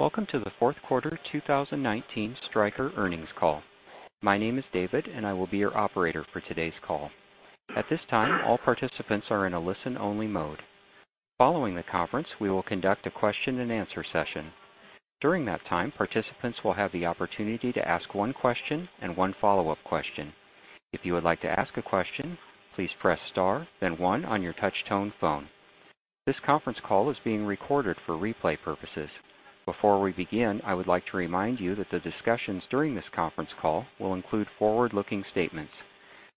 Welcome to the fourth quarter 2019 Stryker earnings call. My name is David. I will be your operator for today's call. At this time, all participants are in a listen-only mode. Following the conference, we will conduct a question-and-answer session. During that time, participants will have the opportunity to ask one question and one follow-up question. If you would like to ask a question, please press star then one on your touch tone phone. This conference call is being recorded for replay purposes. Before we begin, I would like to remind you that the discussions during this conference call will include forward-looking statements.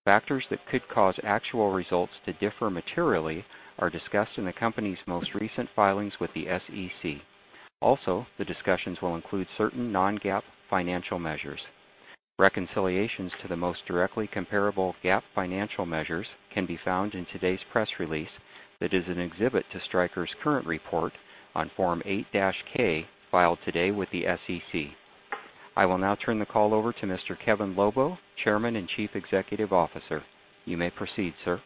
Factors that could cause actual results to differ materially are discussed in the company's most recent filings with the SEC. The discussions will include certain non-GAAP financial measures. Reconciliations to the most directly comparable GAAP financial measures can be found in today's press release that is an exhibit to Stryker's current report on Form 8-K filed today with the SEC. I will now turn the call over to Mr. Kevin Lobo, Chairman and Chief Executive Officer. You may proceed, sir.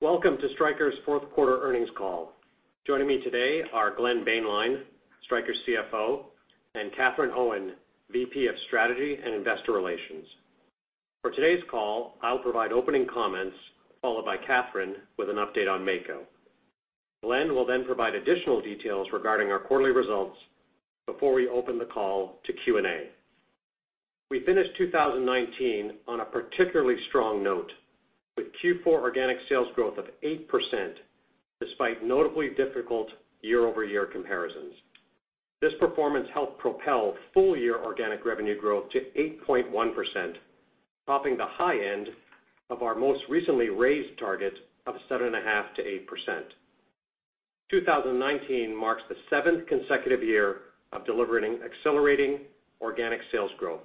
Welcome to Stryker's fourth quarter earnings call. Joining me today are Glenn Boehnlein, Stryker's CFO, and Katherine Owen, VP of Strategy and Investor Relations. For today's call, I'll provide opening comments followed by Katherine with an update on Mako. Glenn will provide additional details regarding our quarterly results before we open the call to Q and A. We finished 2019 on a particularly strong note with Q4 organic sales growth of 8% despite notably difficult year-over-year comparisons. This performance helped propel full-year organic revenue growth to 8.1%, topping the high end of our most recently raised target of 7.5%-8%. 2019 marks the seventh consecutive year of delivering accelerating organic sales growth,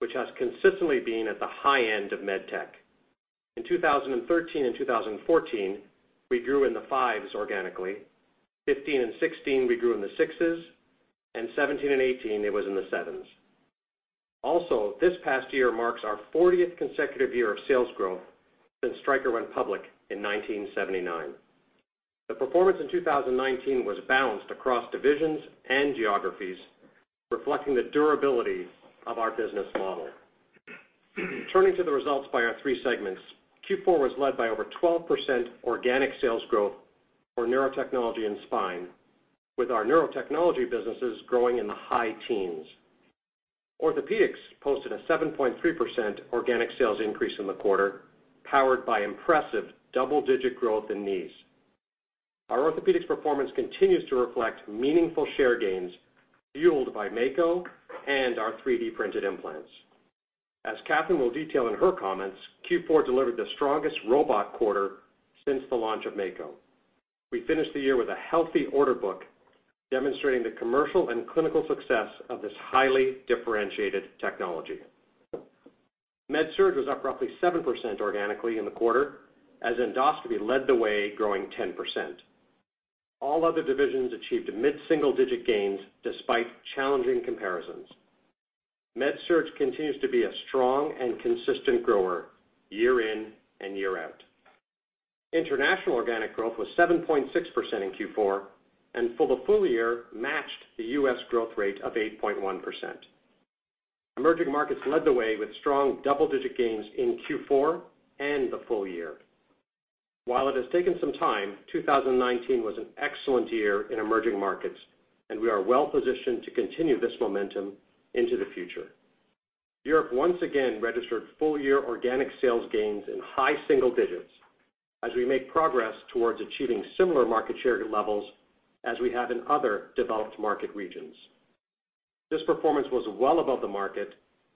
which has consistently been at the high end of med tech. In 2013 and 2014, we grew in the fives organically. 2015 and 2016, we grew in the sixes, and 2017 and 2018, it was in the sevens. This past year marks our 40th consecutive year of sales growth since Stryker went public in 1979. The performance in 2019 was balanced across divisions and geographies, reflecting the durability of our business model. Turning to the results by our three segments, Q4 was led by over 12% organic sales growth for neurotechnology and spine, with our neurotechnology businesses growing in the high teens. Orthopedics posted a 7.3% organic sales increase in the quarter, powered by impressive double-digit growth in knees. Our Orthopedics performance continues to reflect meaningful share gains fueled by Mako and our 3D-printed implants. As Katherine will detail in her comments, Q4 delivered the strongest robot quarter since the launch of Mako. We finished the year with a healthy order book demonstrating the commercial and clinical success of this highly differentiated technology. MedSurg was up roughly 7% organically in the quarter as endoscopy led the way, growing 10%. All other divisions achieved mid-single-digit gains despite challenging comparisons. MedSurg continues to be a strong and consistent grower year in and year out. International organic growth was 7.6% in Q4, and for the full year matched the U.S. growth rate of 8.1%. Emerging markets led the way with strong double-digit gains in Q4 and the full year. While it has taken some time, 2019 was an excellent year in emerging markets, and we are well-positioned to continue this momentum into the future. Europe once again registered full-year organic sales gains in high single digits as we make progress towards achieving similar market share levels as we have in other developed market regions. This performance was well above the market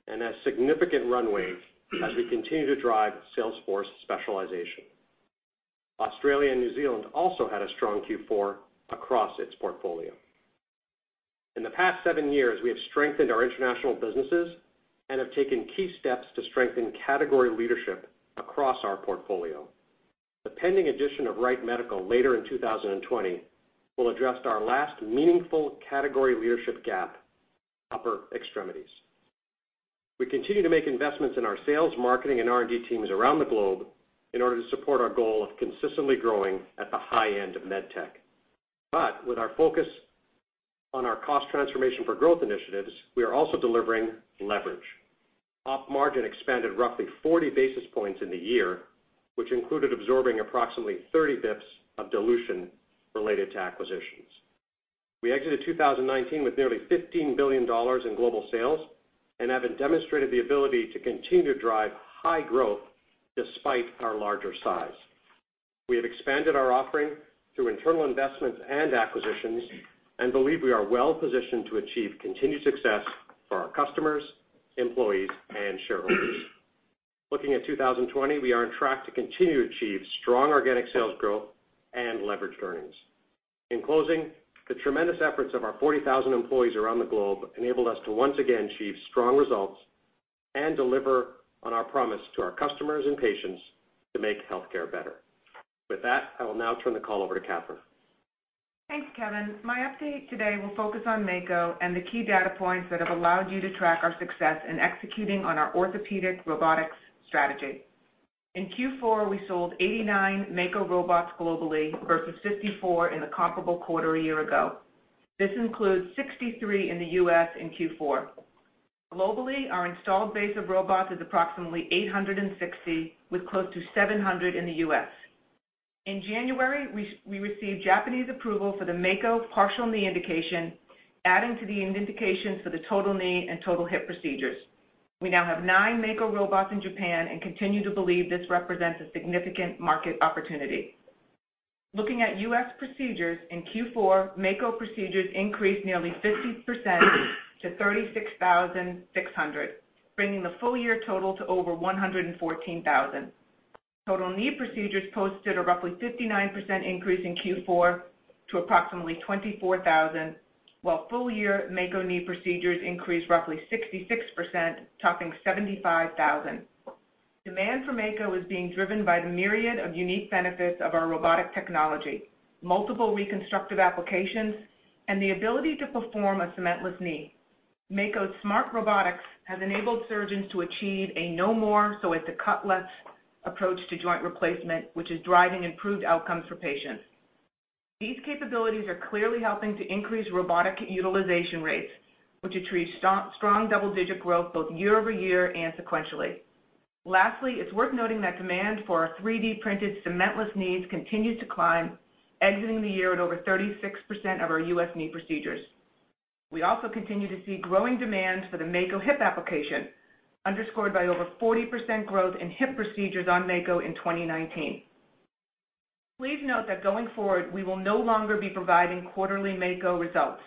and has significant runway as we continue to drive sales force specialization. Australia and New Zealand also had a strong Q4 across its portfolio. In the past seven years, we have strengthened our international businesses and have taken key steps to strengthen category leadership across our portfolio. The pending addition of Wright Medical later in 2020 will address our last meaningful category leadership gap, upper extremities. We continue to make investments in our sales, marketing, and R&D teams around the globe in order to support our goal of consistently growing at the high end of med tech. With our focus on our Cost Transformation for Growth initiatives, we are also delivering leverage. Op margin expanded roughly 40 basis points in the year, which included absorbing approximately 30 basis points of dilution related to acquisitions. We exited 2019 with nearly $15 billion in global sales and have demonstrated the ability to continue to drive high growth despite our larger size. We have expanded our offering through internal investments and acquisitions and believe we are well-positioned to achieve continued success for our customers, employees, and shareholders. Looking at 2020, we are on track to continue to achieve strong organic sales growth and leverage earnings. In closing, the tremendous efforts of our 40,000 employees around the globe enabled us to once again achieve strong results and deliver on our promise to our customers and patients to make healthcare better. With that, I will now turn the call over to Katherine. Thanks, Kevin. My update today will focus on Mako and the key data points that have allowed you to track our success in executing on our orthopedic robotics strategy. In Q4, we sold 89 Mako robots globally versus 54 in the comparable quarter a year ago. This includes 63 in the U.S. in Q4. Globally, our installed base of robots is approximately 860, with close to 700 in the U.S. In January, we received Japanese approval for the Mako partial knee indication, adding to the indications for the total knee and total hip procedures. We now have nine Mako robots in Japan and continue to believe this represents a significant market opportunity. Looking at U.S. procedures in Q4, Mako procedures increased nearly 50% to 36,600, bringing the full-year total to over 114,000. Total knee procedures posted a roughly 59% increase in Q4 to approximately 24,000, while full-year Mako knee procedures increased roughly 66%, topping 75,000. Demand for Mako is being driven by the myriad of unique benefits of our robotic technology, multiple reconstructive applications, and the ability to perform a cementless knee. Mako's smart robotics has enabled surgeons to achieve a no more slice or cut less approach to joint replacement, which is driving improved outcomes for patients. These capabilities are clearly helping to increase robotic utilization rates, which have reached strong double-digit growth both year-over-year and sequentially. Lastly, it is worth noting that demand for our 3D-printed cementless knees continues to climb, exiting the year at over 36% of our U.S. knee procedures. We also continue to see growing demand for the Mako hip application, underscored by over 40% growth in hip procedures on Mako in 2019. Please note that going forward, we will no longer be providing quarterly Mako results.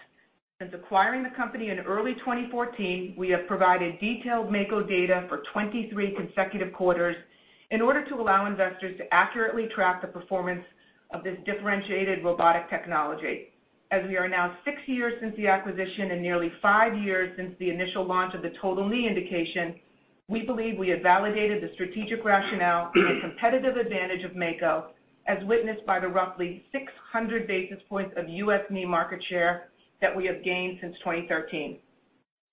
Since acquiring the company in early 2014, we have provided detailed Mako data for 23 consecutive quarters in order to allow investors to accurately track the performance of this differentiated robotic technology. As we are now six years since the acquisition and nearly five years since the initial launch of the total knee indication, we believe we have validated the strategic rationale and the competitive advantage of Mako, as witnessed by the roughly 600 basis points of U.S. knee market share that we have gained since 2013.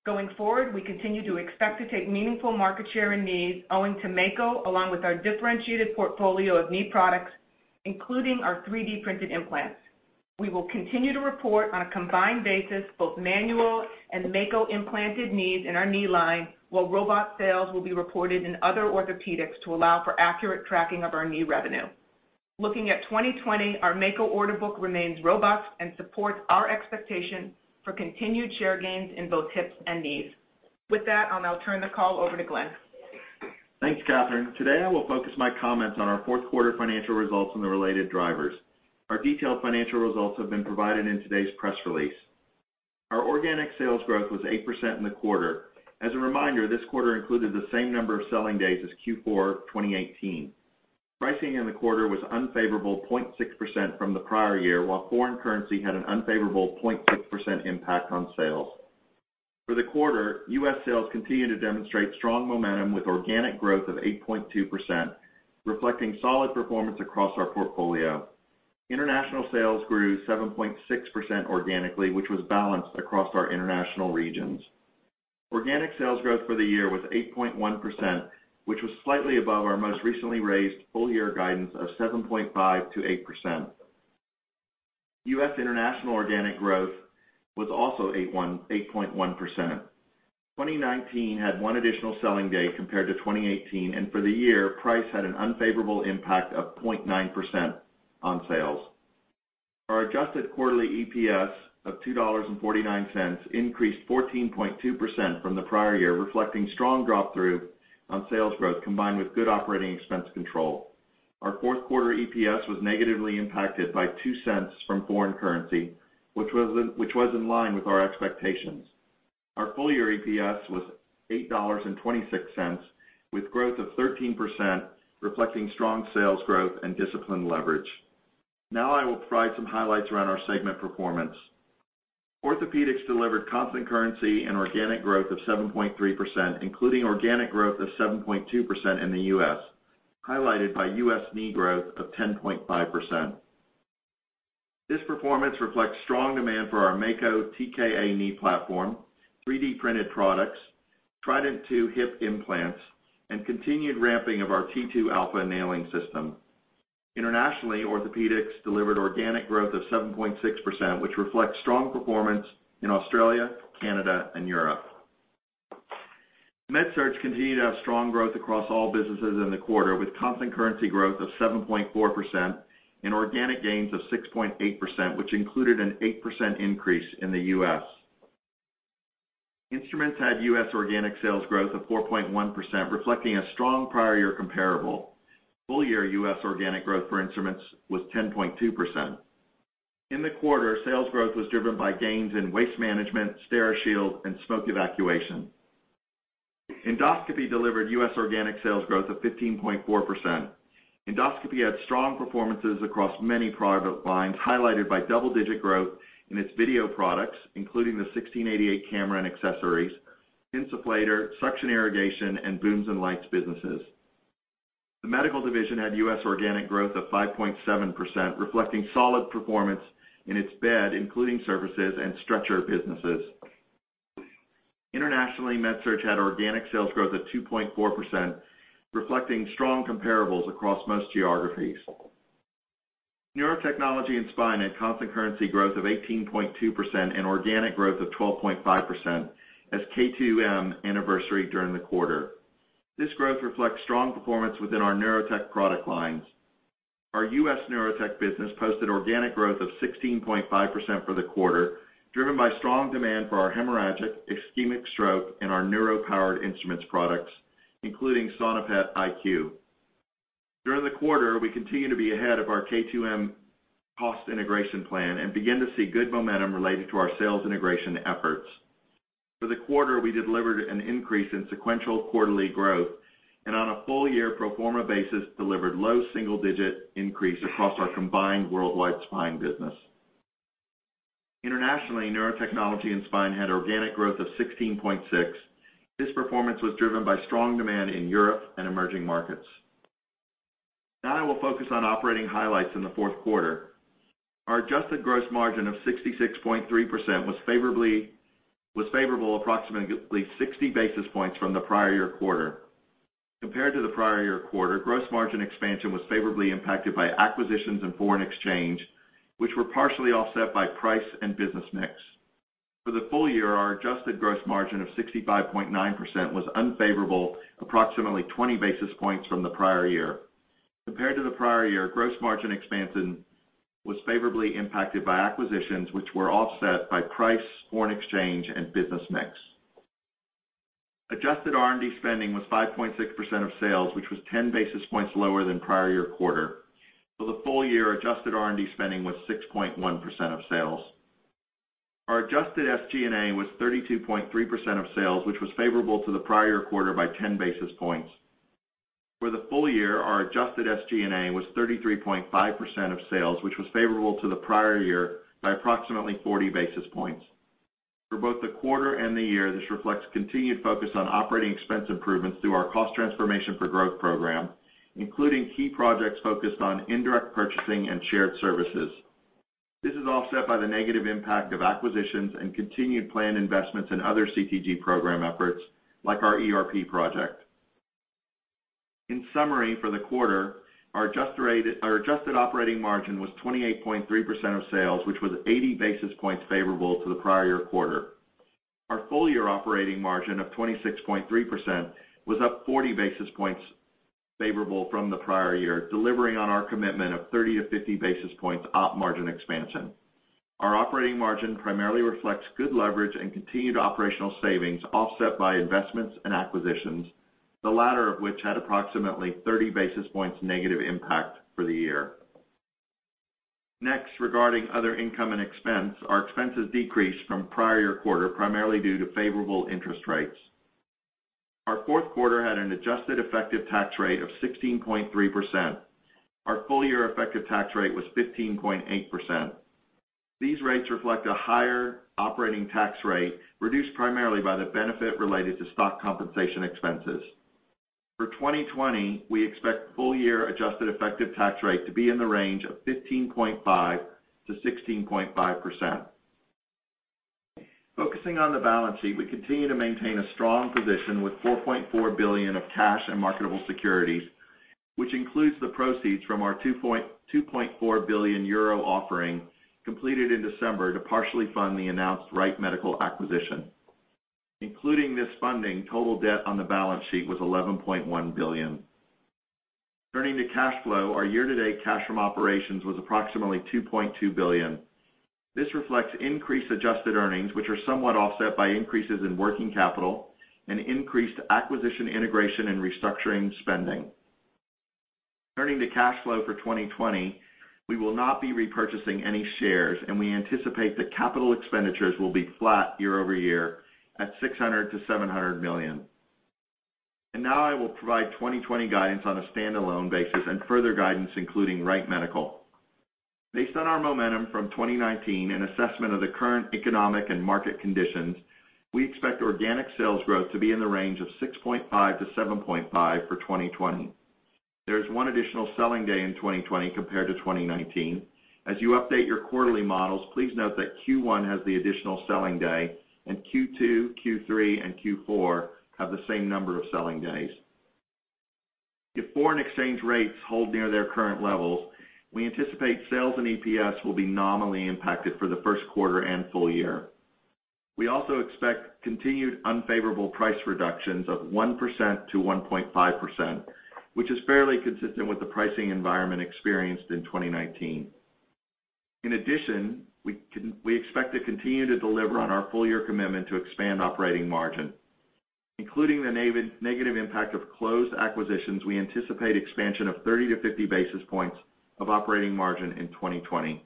Going forward, we continue to expect to take meaningful market share in knees owing to Mako, along with our differentiated portfolio of knee products, including our 3D-printed implants. We will continue to report on a combined basis both manual and Mako implanted knees in our knee line, while robot sales will be reported in other orthopedics to allow for accurate tracking of our new revenue. Looking at 2020, our Mako order book remains robust and supports our expectation for continued share gains in both hips and knees. With that, I'll now turn the call over to Glenn. Thanks, Katherine. Today, I will focus my comments on our fourth quarter financial results and the related drivers. Our detailed financial results have been provided in today's press release. Our organic sales growth was 8% in the quarter. As a reminder, this quarter included the same number of selling days as Q4 2018. Pricing in the quarter was unfavorable 0.6% from the prior year, while foreign currency had an unfavorable 0.6% impact on sales. For the quarter, U.S. sales continued to demonstrate strong momentum with organic growth of 8.2%, reflecting solid performance across our portfolio. International sales grew 7.6% organically, which was balanced across our international regions. Organic sales growth for the year was 8.1%, which was slightly above our most recently raised full-year guidance of 7.5%-8%. U.S. international organic growth was also 8.1%. 2019 had one additional selling day compared to 2018. For the year, price had an unfavorable impact of 0.9% on sales. Our adjusted quarterly EPS of $2.49 increased 14.2% from the prior year, reflecting strong drop-through on sales growth combined with good operating expense control. Our fourth quarter EPS was negatively impacted by $0.02 from foreign currency, which was in line with our expectations. Our full-year EPS was $8.26, with growth of 13%, reflecting strong sales growth and disciplined leverage. I will provide some highlights around our segment performance. Orthopaedics delivered constant currency and organic growth of 7.3%, including organic growth of 7.2% in the U.S., highlighted by U.S. knee growth of 10.5%. This performance reflects strong demand for our Mako TKA knee platform, 3D-printed products, Trident II hip implants, and continued ramping of our T2 Alpha nailing system. Internationally, Orthopaedics delivered organic growth of 7.6%, which reflects strong performance in Australia, Canada, and Europe. MedSurg continued to have strong growth across all businesses in the quarter, with constant currency growth of 7.4% and organic gains of 6.8%, which included an 8% increase in the U.S. Instruments had U.S. organic sales growth of 4.1%, reflecting a strong prior year comparable. Full-year U.S. organic growth for Instruments was 10.2%. In the quarter, sales growth was driven by gains in waste management, Steri-Shield, and smoke evacuation. Endoscopy delivered U.S. organic sales growth of 15.4%. Endoscopy had strong performances across many product lines, highlighted by double-digit growth in its video products, including the 1688 camera and accessories, insufflator, suction irrigation, and booms and lights businesses. The medical division had U.S. organic growth of 5.7%, reflecting solid performance in its bed, including services and stretcher businesses. Internationally, MedSurg had organic sales growth of 2.4%, reflecting strong comparables across most geographies. Neurotechnology and Spine had constant currency growth of 18.2% and organic growth of 12.5% as K2M anniversaried during the quarter. This growth reflects strong performance within our neurotech product lines. Our U.S. neurotech business posted organic growth of 16.5% for the quarter, driven by strong demand for our hemorrhagic ischemic stroke and our neuro-powered instruments products, including Sonopet iQ. During the quarter, we continue to be ahead of our K2M cost integration plan and begin to see good momentum related to our sales integration efforts. For the quarter, we delivered an increase in sequential quarterly growth, and on a full year pro forma basis, delivered low single-digit increase across our combined worldwide spine business. Internationally, Neurotechnology and Spine had organic growth of 16.6%. This performance was driven by strong demand in Europe and emerging markets. I will focus on operating highlights in the fourth quarter. Our adjusted gross margin of 66.3% was favorable, approximately 60 basis points from the prior year quarter. Compared to the prior year quarter, gross margin expansion was favorably impacted by acquisitions and foreign exchange, which were partially offset by price and business mix. For the full year, our adjusted gross margin of 65.9% was unfavorable, approximately 20 basis points from the prior year. Compared to the prior year, gross margin expansion was favorably impacted by acquisitions, which were offset by price, foreign exchange, and business mix. Adjusted R&D spending was 5.6% of sales, which was 10 basis points lower than prior year quarter. For the full year, adjusted R&D spending was 6.1% of sales. Our adjusted SG&A was 32.3% of sales, which was favorable to the prior quarter by 10 basis points. For the full year, our adjusted SG&A was 33.5% of sales, which was favorable to the prior year by approximately 40 basis points. For both the quarter and the year, this reflects continued focus on operating expense improvements through our Cost Transformation for Growth program, including key projects focused on indirect purchasing and shared services. This is offset by the negative impact of acquisitions and continued planned investments in other CTG program efforts, like our ERP project. In summary, for the quarter, our adjusted operating margin was 28.3% of sales, which was 80 basis points favorable to the prior year quarter. Our full year operating margin of 26.3% was up 40 basis points favorable from the prior year, delivering on our commitment of 30-50 basis points op margin expansion. Our operating margin primarily reflects good leverage and continued operational savings, offset by investments and acquisitions, the latter of which had approximately 30 basis points negative impact for the year. Regarding other income and expense, our expenses decreased from prior year quarter, primarily due to favorable interest rates. Our fourth quarter had an adjusted effective tax rate of 16.3%. Our full year effective tax rate was 15.8%. These rates reflect a higher operating tax rate, reduced primarily by the benefit related to stock compensation expenses. For 2020, we expect full year adjusted effective tax rate to be in the range of 15.5%-16.5%. Focusing on the balance sheet, we continue to maintain a strong position with $4.4 billion of cash and marketable securities, which includes the proceeds from our 2.4 billion euro offering completed in December to partially fund the announced Wright Medical acquisition. Including this funding, total debt on the balance sheet was $11.1 billion. Turning to cash flow, our year-to-date cash from operations was approximately $2.2 billion. This reflects increased adjusted earnings, which are somewhat offset by increases in working capital and increased acquisition integration and restructuring spending. Turning to cash flow for 2020, we will not be repurchasing any shares, and we anticipate that capital expenditures will be flat year-over-year at $600 million-$700 million. Now I will provide 2020 guidance on a standalone basis and further guidance, including Wright Medical. Based on our momentum from 2019 and assessment of the current economic and market conditions, we expect organic sales growth to be in the range of 6.5%-7.5% for 2020. There is one additional selling day in 2020 compared to 2019. As you update your quarterly models, please note that Q1 has the additional selling day, Q2, Q3, and Q4 have the same number of selling days. If foreign exchange rates hold near their current levels, we anticipate sales and EPS will be nominally impacted for the first quarter and full year. We also expect continued unfavorable price reductions of 1%-1.5%, which is fairly consistent with the pricing environment experienced in 2019. In addition, we expect to continue to deliver on our full year commitment to expand operating margin. Including the negative impact of closed acquisitions, we anticipate expansion of 30 to 50 basis points of operating margin in 2020.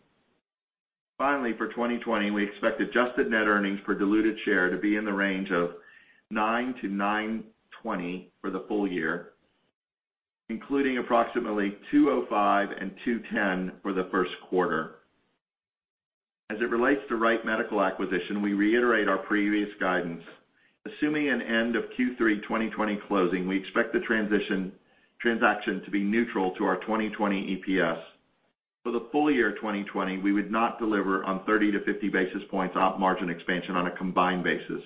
Finally, for 2020, we expect adjusted net earnings per diluted share to be in the range of $9-$9.20 for the full year, including approximately $2.05 and $2.10 for the first quarter. As it relates to Wright Medical acquisition, we reiterate our previous guidance. Assuming an end of Q3 2020 closing, we expect the transaction to be neutral to our 2020 EPS. For the full year 2020, we would not deliver on 30-50 basis points op margin expansion on a combined basis.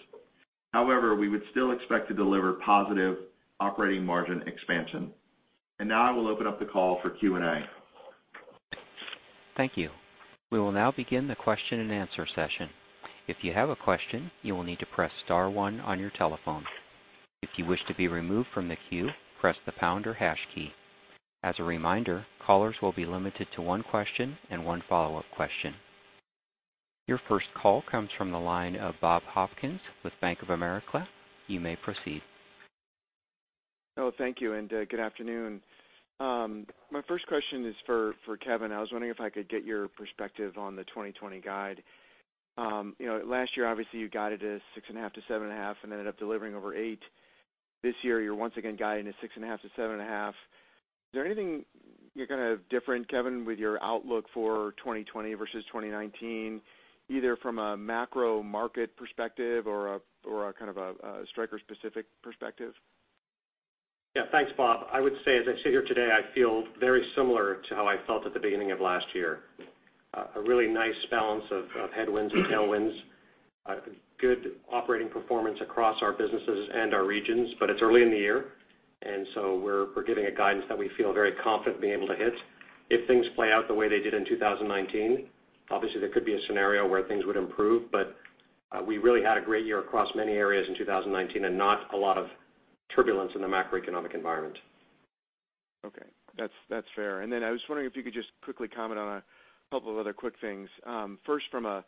We would still expect to deliver positive operating margin expansion. Now I will open up the call for Q and A. Thank you. We will now begin the question-and-answer session. If you have a question, you will need to press star one on your telephone. If you wish to be removed from the queue, press the pound or hash key. As a reminder, callers will be limited to one question and one follow-up question. Your first call comes from the line of Bob Hopkins with Bank of America. You may proceed. Oh, thank you, and good afternoon. My first question is for Kevin. I was wondering if I could get your perspective on the 2020 guide. Last year, obviously, you guided as six and a half to seven and a half and ended up delivering over eight. This year, you're once again guiding at 6.5 and 7.5. Is there anything you're going to different, Kevin, with your outlook for 2020 versus 2019, either from a macro market perspective or a kind of a Stryker-specific perspective? Yeah, thanks, Bob. I would say, as I sit here today, I feel very similar to how I felt at the beginning of last year. A really nice balance of headwinds and tailwinds. Good operating performance across our businesses and our regions, but it's early in the year, and so we're giving a guidance that we feel very confident being able to hit. If things play out the way they did in 2019, obviously, there could be a scenario where things would improve, but we really had a great year across many areas in 2019 and not a lot of turbulence in the macroeconomic environment. Okay. That's fair. I was wondering if you could just quickly comment on a couple of other quick things. First, from a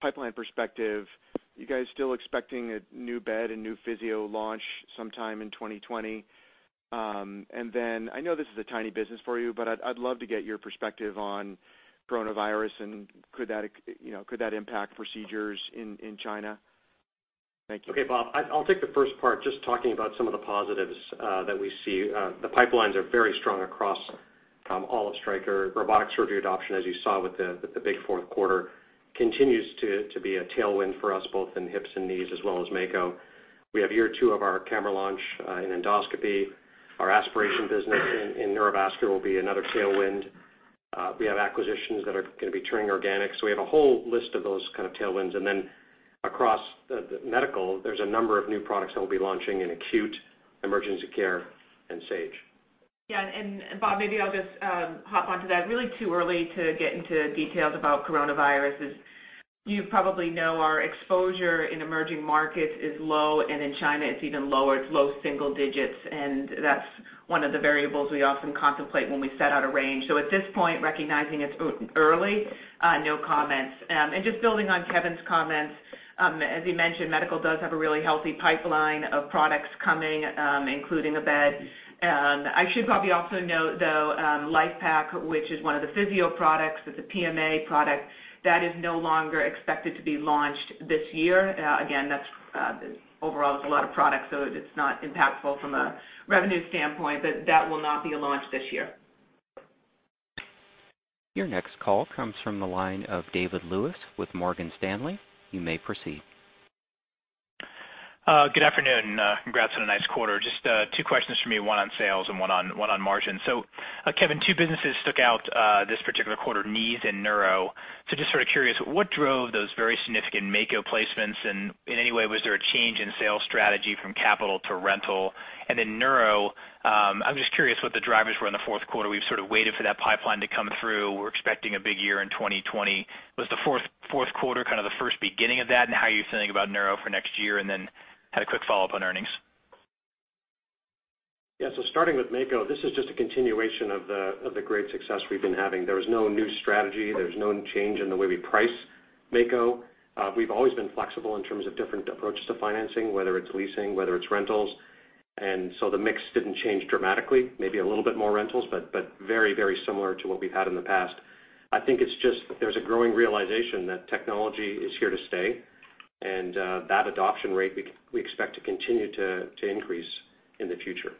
pipeline perspective, you guys still expecting a new bed and new physio launch sometime in 2020? I know this is a tiny business for you, but I'd love to get your perspective on coronavirus and could that impact procedures in China? Thank you. Okay, Bob, I'll take the first part, just talking about some of the positives that we see. The pipelines are very strong across all of Stryker. Robotic surgery adoption, as you saw with the big fourth quarter, continues to be a tailwind for us, both in hips and knees, as well as Mako. We have year two of our camera launch in endoscopy. Our aspiration business in neurovascular will be another tailwind. We have acquisitions that are going to be turning organic. We have a whole list of those kind of tailwinds. Across the medical, there's a number of new products that we'll be launching in acute emergency care and Sage. Yeah, Bob, maybe I'll just hop onto that. Really too early to get into details about coronavirus. You probably know our exposure in emerging markets is low, and in China, it's even lower. It's low single digits, and that's one of the variables we often contemplate when we set out a range. At this point, recognizing it's early, no comments. Just building on Kevin's comments, as he mentioned, MedSurg does have a really healthy pipeline of products coming, including a bed. I should probably also note, though, LIFEPAK, which is one of the physio products, it's a PMA product, that is no longer expected to be launched this year. Again, that overall is a lot of products, so it's not impactful from a revenue standpoint, but that will not be a launch this year. Your next call comes from the line of David Lewis with Morgan Stanley. You may proceed. Good afternoon. Congrats on a nice quarter. Kevin, two businesses stuck out this particular quarter, knees and Neuro. Just sort of curious, what drove those very significant Mako placements, and in any way, was there a change in sales strategy from capital to rental? Neuro, I'm just curious what the drivers were in the fourth quarter. We've sort of waited for that pipeline to come through. We're expecting a big year in 2020. Was the fourth quarter kind of the first beginning of that, and how are you feeling about Neuro for next year? Had a quick follow-up on earnings. Yeah, starting with Mako. This is just a continuation of the great success we've been having. There is no new strategy. There's no change in the way we price Mako. We've always been flexible in terms of different approaches to financing, whether it's leasing, whether it's rentals. The mix didn't change dramatically. Maybe a little bit more rentals, but very similar to what we've had in the past. I think it's just that there's a growing realization that technology is here to stay, and that adoption rate we expect to continue to increase in the future.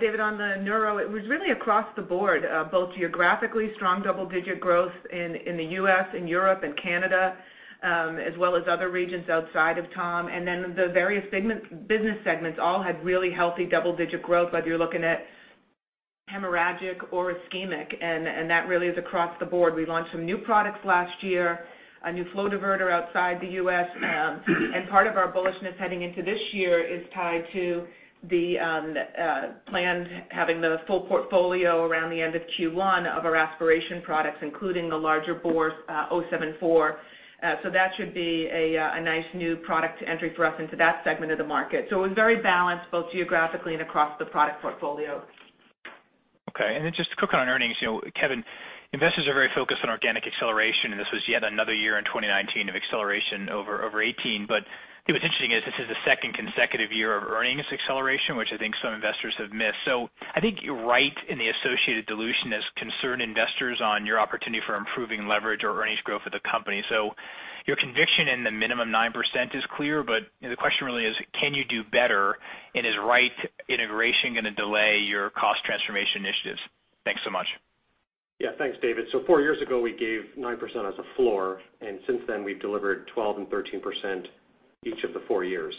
David, on the neuro, it was really across the board both geographically strong double-digit growth in the U.S., in Europe, and Canada, as well as other regions outside of TOM. The various business segments all had really healthy double-digit growth, whether you're looking at hemorrhagic or ischemic, and that really is across the board. We launched some new products last year, a new flow diverter outside the U.S., and part of our bullishness heading into this year is tied to the plan having the full portfolio around the end of Q1 of our aspiration products, including the larger bore 074. That should be a nice new product entry for us into that segment of the market. It was very balanced, both geographically and across the product portfolio. Okay. Just to click on earnings, Kevin, investors are very focused on organic acceleration, and this was yet another year in 2019 of acceleration over 2018. What's interesting is this is the second consecutive year of earnings acceleration, which I think some investors have missed. I think you're right in the associated dilution has concerned investors on your opportunity for improving leverage or earnings growth for the company. Your conviction in the minimum 9% is clear, but the question really is, can you do better, and is Wright integration going to delay your cost transformation initiatives? Thanks so much. Thanks, David. Four years ago, we gave 9% as a floor, and since then we've delivered 12% and 13% each of the four years.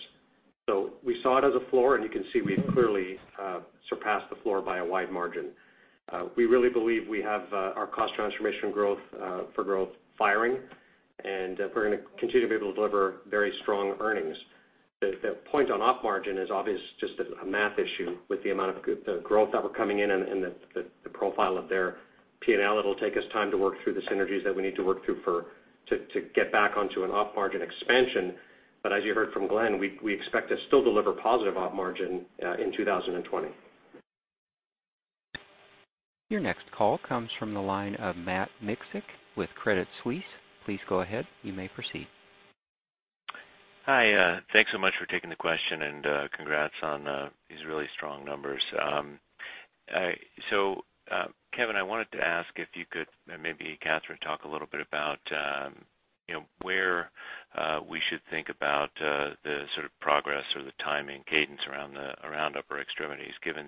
We saw it as a floor, and you can see we've clearly surpassed the floor by a wide margin. We really believe we have our Cost Transformation for Growth firing, and we're going to continue to be able to deliver very strong earnings. The point on op margin is obvious, just a math issue with the amount of the growth that we're coming in and the profile of their P&L. It'll take us time to work through the synergies that we need to work through to get back onto an op margin expansion. As you heard from Glenn, we expect to still deliver positive op margin in 2020. Your next call comes from the line of Matt Miksic with Credit Suisse. Please go ahead. You may proceed. Hi. Thanks so much for taking the question, and congrats on these really strong numbers. Kevin, I wanted to ask if you could, and maybe Katherine, talk a little bit about where we should think about the sort of progress or the timing cadence around upper extremities, given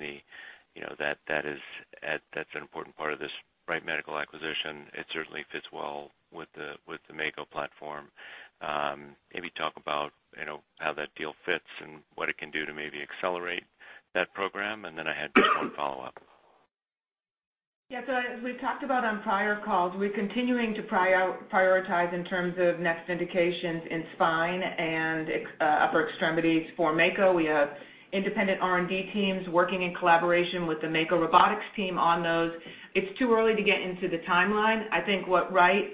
that's an important part of this Wright Medical acquisition. It certainly fits well with the Mako platform. Maybe talk about how that deal fits and what it can do to maybe accelerate that program, and then I had just one follow-up. As we've talked about on prior calls, we're continuing to prioritize in terms of next indications in spine and upper extremities for Mako. We have independent R&D teams working in collaboration with the Mako Robotics team on those. It's too early to get into the timeline. I think what Wright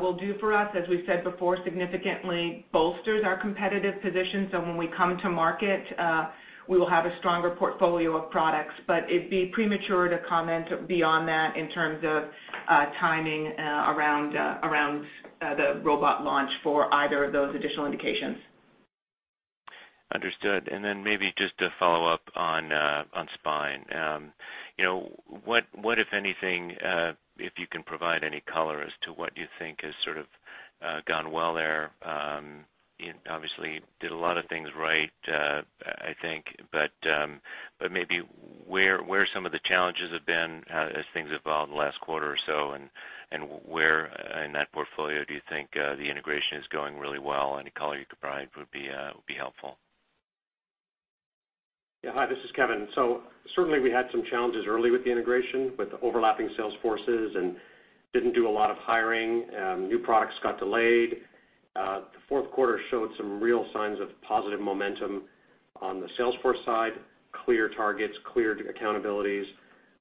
will do for us, as we've said before, significantly bolsters our competitive position. When we come to market, we will have a stronger portfolio of products. It'd be premature to comment beyond that in terms of timing around the robot launch for either of those additional indications. Understood. Maybe just to follow up on spine. What if anything, if you can provide any color as to what you think has sort of gone well there? Obviously, did a lot of things right, I think, but maybe where some of the challenges have been as things evolved in the last quarter or so and where in that portfolio do you think the integration is going really well? Any color you could provide would be helpful. Yeah. Hi, this is Kevin. Certainly we had some challenges early with the integration, with overlapping sales forces and didn't do a lot of hiring. New products got delayed. The fourth quarter showed some real signs of positive momentum on the sales force side, clear targets, clear accountabilities,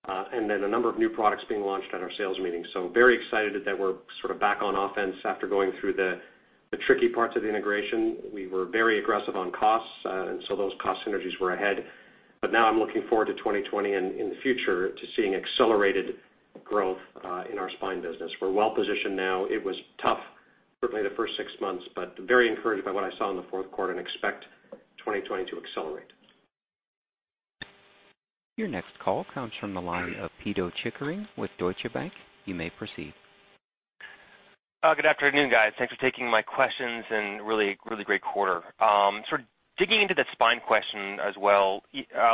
a number of new products being launched at our sales meeting. Very excited that we're sort of back on offense after going through the tricky parts of the integration. We were very aggressive on costs, those cost synergies were ahead. Now I'm looking forward to 2020 and in the future to seeing accelerated growth in our spine business. We're well-positioned now. It was tough, certainly the first six months, very encouraged by what I saw in the fourth quarter and expect 2020 to accelerate. Your next call comes from the line of Peter Chickering with Deutsche Bank. You may proceed. Good afternoon, guys. Thanks for taking my questions and really great quarter. Sort of digging into the spine question as well.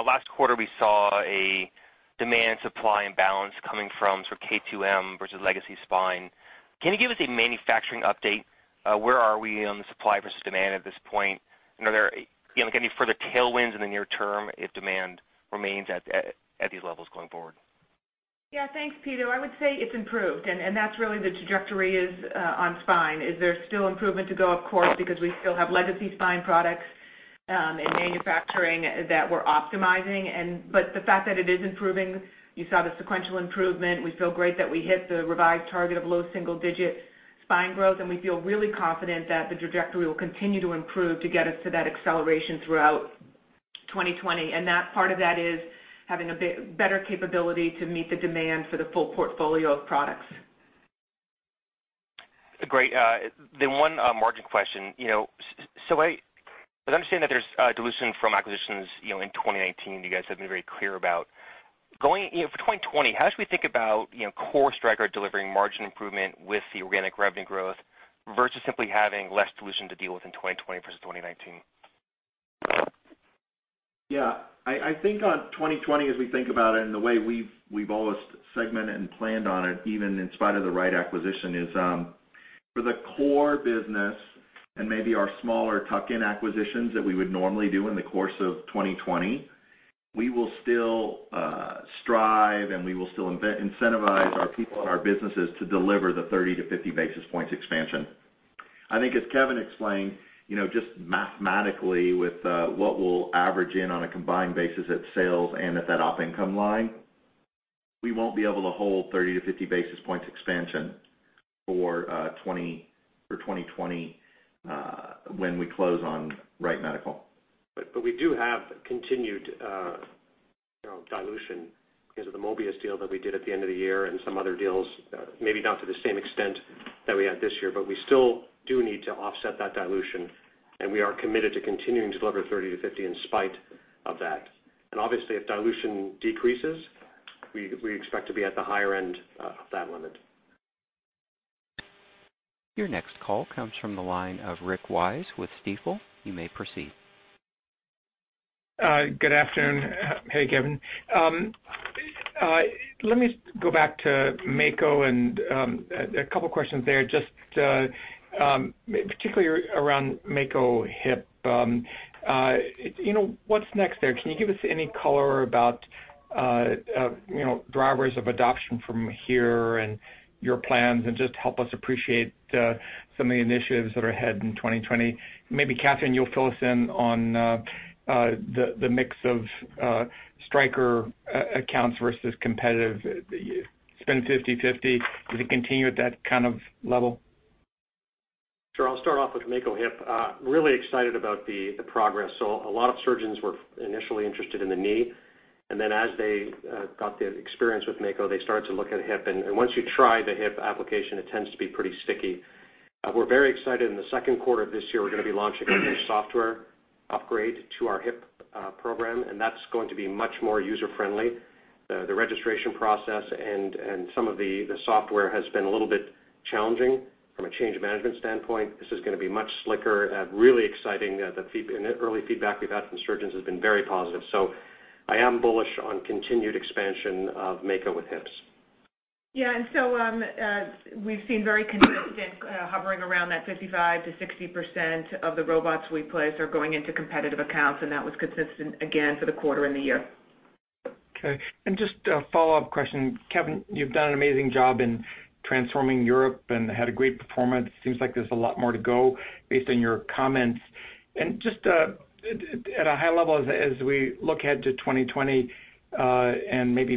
Last quarter, we saw a demand-supply imbalance coming from sort of K2M versus Legacy Spine. Can you give us a manufacturing update? Where are we on the supply versus demand at this point? Are there any further tailwinds in the near term if demand remains at these levels going forward? Thanks, Peter. I would say it's improved, and that's really the trajectory is on spine. Is there still improvement to go? Of course, because we still have Legacy Spine products in manufacturing that we're optimizing. The fact that it is improving, you saw the sequential improvement. We feel great that we hit the revised target of low single-digit spine growth, and we feel really confident that the trajectory will continue to improve to get us to that acceleration throughout 2020. Part of that is having a better capability to meet the demand for the full portfolio of products. Great. One margin question. I understand that there's dilution from acquisitions in 2019, you guys have been very clear about. For 2020, how should we think about core Stryker delivering margin improvement with the organic revenue growth versus simply having less dilution to deal with in 2020 versus 2019? I think on 2020, as we think about it and the way we've always segmented and planned on it, even in spite of the Wright acquisition, is for the core business and maybe our smaller tuck-in acquisitions that we would normally do in the course of 2020, we will still strive, and we will still incentivize our people and our businesses to deliver the 30-50 basis points expansion. I think, as Kevin explained, just mathematically with what we'll average in on a combined basis at sales and at that op income line, we won't be able to hold 30-50 basis points expansion for 2020 when we close on Wright Medical. We do have continued dilution because of the Mobius deal that we did at the end of the year and some other deals, maybe not to the same extent that we had this year, but we still do need to offset that dilution, and we are committed to continuing to deliver 30 to 50 in spite of that. Obviously, if dilution decreases, we expect to be at the higher end of that. Your next call comes from the line of Rick Wise with Stifel. You may proceed. Good afternoon. Hey, Kevin. Let me go back to Mako and a couple questions there, just particularly around Mako hip. What's next there? Can you give us any color about drivers of adoption from here and your plans and just help us appreciate some of the initiatives that are ahead in 2020? Maybe Katherine, you'll fill us in on the mix of Stryker accounts versus competitive. It's been 50/50. Does it continue at that kind of level? Sure. I'll start off with Mako hip. Really excited about the progress. A lot of surgeons were initially interested in the knee, and then as they got the experience with Mako, they started to look at hip. Once you try the hip application, it tends to be pretty sticky. We're very excited. In the second quarter of this year, we're going to be launching a new software upgrade to our hip program, and that's going to be much more user-friendly. The registration process and some of the software has been a little bit challenging from a change management standpoint. This is going to be much slicker and really exciting. The early feedback we've had from surgeons has been very positive. I am bullish on continued expansion of Mako with hips. Yeah. We've seen very consistent hovering around that 55%-60% of the robots we place are going into competitive accounts, and that was consistent again for the quarter and the year. Okay. Just a follow-up question. Kevin, you've done an amazing job in transforming Europe and had a great performance. Seems like there's a lot more to go based on your comments. Just at a high level, as we look ahead to 2020, and maybe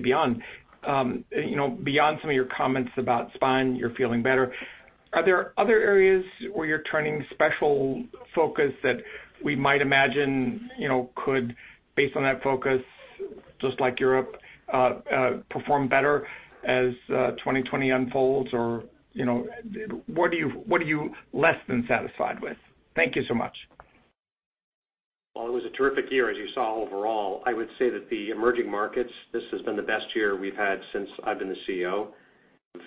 beyond some of your comments about spine, you're feeling better. Are there other areas where you're turning special focus that we might imagine could, based on that focus, just like Europe, perform better as 2020 unfolds? What are you less than satisfied with? Thank you so much. Well, it was a terrific year as you saw overall. I would say that the emerging markets, this has been the best year we've had since I've been the CEO.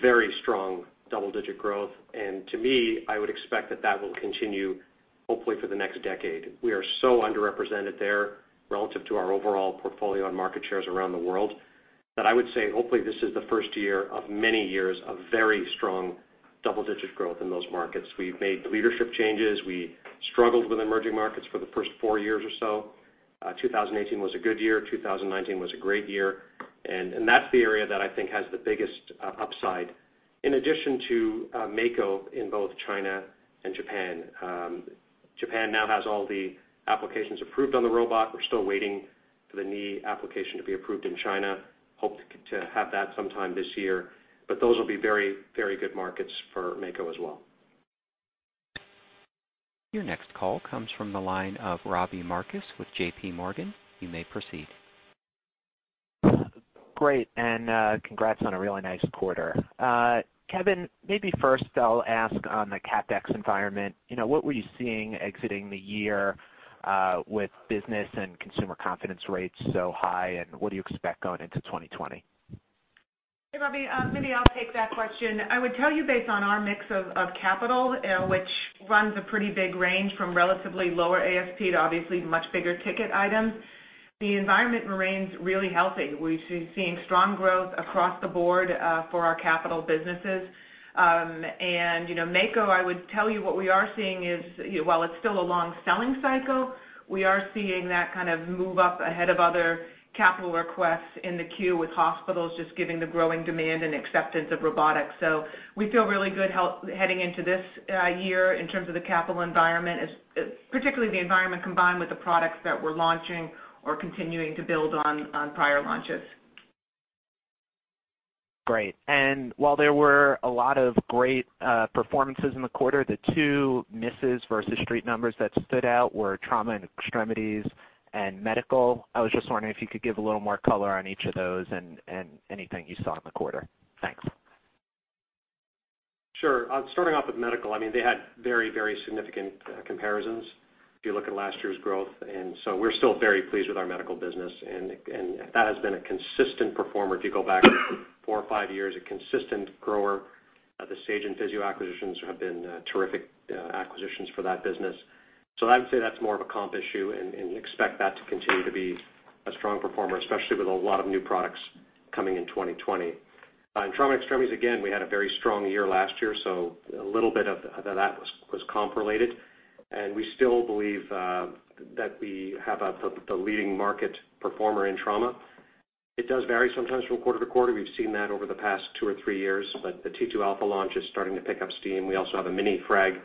Very strong double-digit growth. To me, I would expect that that will continue, hopefully for the next decade. We are so underrepresented there relative to our overall portfolio and market shares around the world, that I would say hopefully this is the first year of many years of very strong double-digit growth in those markets. We've made leadership changes. We struggled with emerging markets for the first four years or so. 2018 was a good year. 2019 was a great year. That's the area that I think has the biggest upside. In addition to Mako in both China and Japan. Japan now has all the applications approved on the robot. We're still waiting for the knee application to be approved in China. Hope to have that sometime this year. Those will be very good markets for Mako as well. Your next call comes from the line of Ravi Mishra with JPMorgan. You may proceed. Great, congrats on a really nice quarter. Kevin, maybe first I'll ask on the CapEx environment. What were you seeing exiting the year with business and consumer confidence rates so high, and what do you expect going into 2020? Hey, Ravi. Maybe I'll take that question. I would tell you based on our mix of capital, which runs a pretty big range from relatively lower ASP to obviously much bigger ticket items, the environment remains really healthy. We've seen strong growth across the board for our capital businesses. Mako, I would tell you what we are seeing is while it's still a long selling cycle, we are seeing that kind of move up ahead of other capital requests in the queue with hospitals just giving the growing demand and acceptance of robotics. We feel really good heading into this year in terms of the capital environment, particularly the environment combined with the products that we're launching or continuing to build on prior launches. Great. While there were a lot of great performances in the quarter, the two misses versus Street numbers that stood out were Trauma and Extremities and medical. I was just wondering if you could give a little more color on each of those and anything you saw in the quarter. Thanks. Sure. Starting off with medical, they had very significant comparisons if you look at last year's growth. We're still very pleased with our medical business, and that has been a consistent performer if you go back four or five years, a consistent grower. The Sage and Physio acquisitions have been terrific acquisitions for that business. I would say that's more of a comp issue and expect that to continue to be a strong performer, especially with a lot of new products coming in 2020. In trauma and extremities, again, we had a very strong year last year, so a little bit of that was comp-related. We still believe that we have the leading market performer in trauma. It does vary sometimes from quarter to quarter. We've seen that over the past two or three years, but the T2 Alpha launch is starting to pick up steam. We also have a mini frag launch,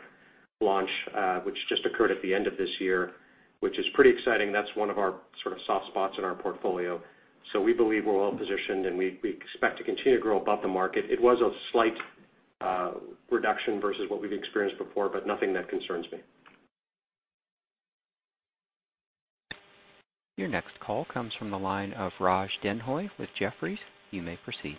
which just occurred at the end of this year, which is pretty exciting. That's one of our sort of soft spots in our portfolio. We believe we're well-positioned, and we expect to continue to grow above the market. It was a slight reduction versus what we've experienced before, but nothing that concerns me. Your next call comes from the line of Raj Denhoy with Jefferies. You may proceed.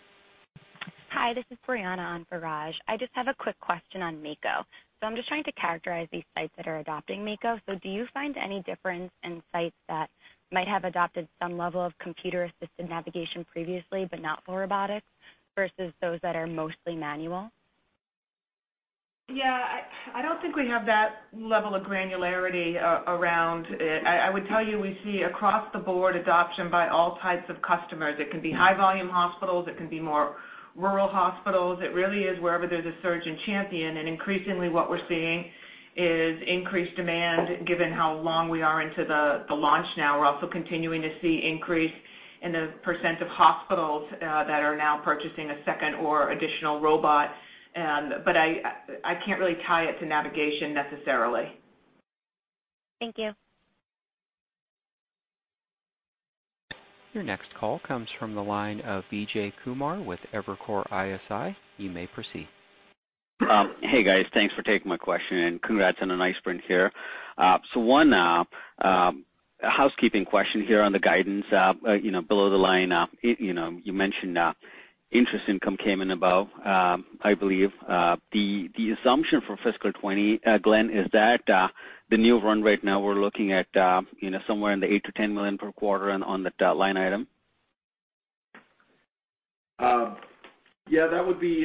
Hi, this is Brianna on for Raj. I just have a quick question on Mako. I'm just trying to characterize these sites that are adopting Mako. Do you find any difference in sites that might have adopted some level of computer-assisted navigation previously, but not for robotics, versus those that are mostly manual? Yeah, I don't think we have that level of granularity around it. I would tell you, we see across the board adoption by all types of customers. It can be high volume hospitals, it can be more rural hospitals. It really is wherever there's a surgeon champion. Increasingly what we're seeing is increased demand, given how long we are into the launch now. We're also continuing to see increase in the percentage of hospitals that are now purchasing a second or additional robot. I can't really tie it to navigation necessarily. Thank you. Your next call comes from the line of Vijay Kumar with Evercore ISI. You may proceed. Hey, guys. Thanks for taking my question, and congrats on a nice print here. One housekeeping question here on the guidance. Below the line, you mentioned interest income came in above, I believe. The assumption for fiscal 2020, Glenn, is that the new run rate now we're looking at somewhere in the $8 million-$10 million per quarter on that line item? Yeah. Let me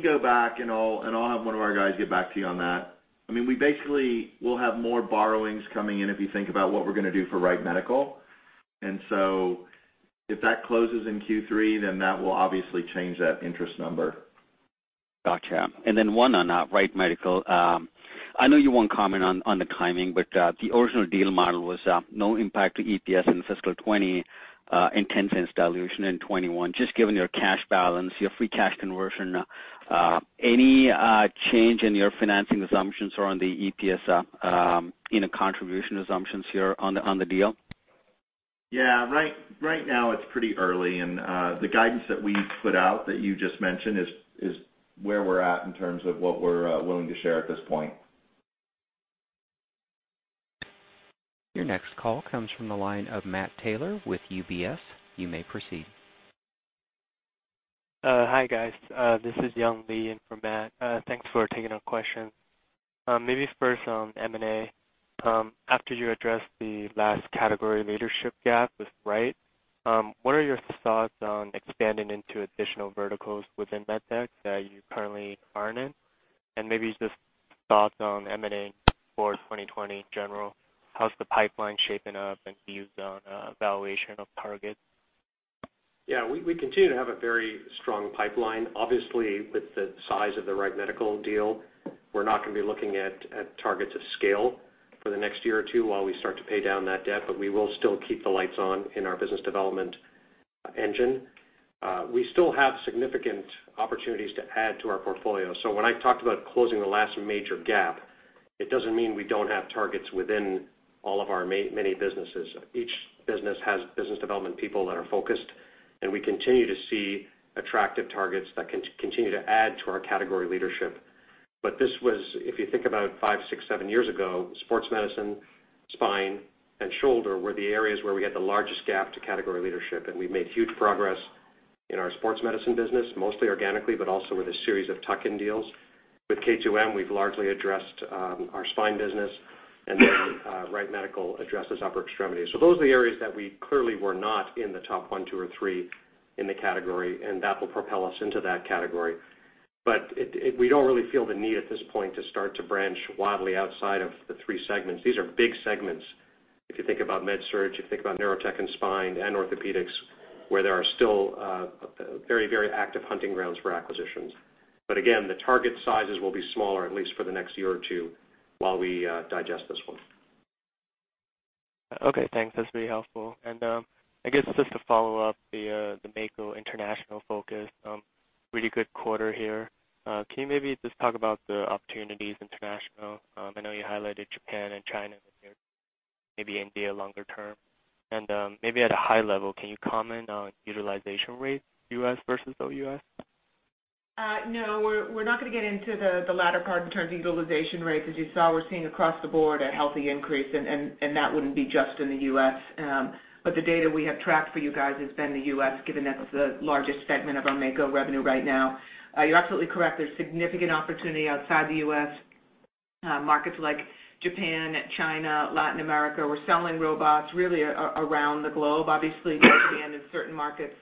go back. I'll have one of our guys get back to you on that. We basically will have more borrowings coming in if you think about what we're going to do for Wright Medical. If that closes in Q3, then that will obviously change that interest number. Gotcha. One on Wright Medical. I know you won't comment on the timing, the original deal model was no impact to EPS in fiscal 2020, and $0.10 dilution in 2021. Just given your cash balance, your free cash conversion, any change in your financing assumptions or on the EPS contribution assumptions here on the deal? Right now it's pretty early, and the guidance that we put out that you just mentioned is where we're at in terms of what we're willing to share at this point. Your next call comes from the line of Matt Taylor with UBS. You may proceed. Hi, guys. This is Young Lee in for Matt. Thanks for taking our question. Maybe first on M&A. After you addressed the last category leadership gap with Wright, what are your thoughts on expanding into additional verticals within MedTech that you currently aren't in? Maybe just thoughts on M&A for 2020 in general. How's the pipeline shaping up, and views on valuation of targets? Yeah. We continue to have a very strong pipeline. Obviously, with the size of the Wright Medical deal, we're not going to be looking at targets of scale for the next year or two while we start to pay down that debt, we will still keep the lights on in our business development engine. We still have significant opportunities to add to our portfolio. When I talked about closing the last major gap, it doesn't mean we don't have targets within all of our many businesses. Each business has business development people that are focused, and we continue to see attractive targets that continue to add to our category leadership. This was, if you think about five, six, seven years ago, sports medicine, spine, and shoulder were the areas where we had the largest gap to category leadership, and we've made huge progress in our sports medicine business, mostly organically, but also with a series of tuck-in deals. With K2M, we've largely addressed our Spine business, and then Wright Medical addresses upper extremity. Those are the areas that we clearly were not in the top one, two, or three in the category, and that will propel us into that category. We don't really feel the need at this point to start to branch wildly outside of the three segments. These are big segments. If you think about MedSurg, you think about Neurotech and Spine and Orthopaedics, where there are still very active hunting grounds for acquisitions. Again, the target sizes will be smaller at least for the next year or two while we digest this one. Okay, thanks. That's very helpful. Just to follow up the Mako international focus. Really good quarter here. Can you maybe just talk about the opportunities international? I know you highlighted Japan and China, maybe India longer term. Maybe at a high level, can you comment on utilization rates U.S. versus OUS? We're not going to get into the latter part in terms of utilization rates. As you saw, we're seeing across the board a healthy increase, and that wouldn't be just in the U.S. The data we have tracked for you guys has been the U.S., given that's the largest segment of our Mako revenue right now. You're absolutely correct. There's significant opportunity outside the U.S. Markets like Japan, China, Latin America. We're selling robots really around the globe. Obviously, more demand in certain markets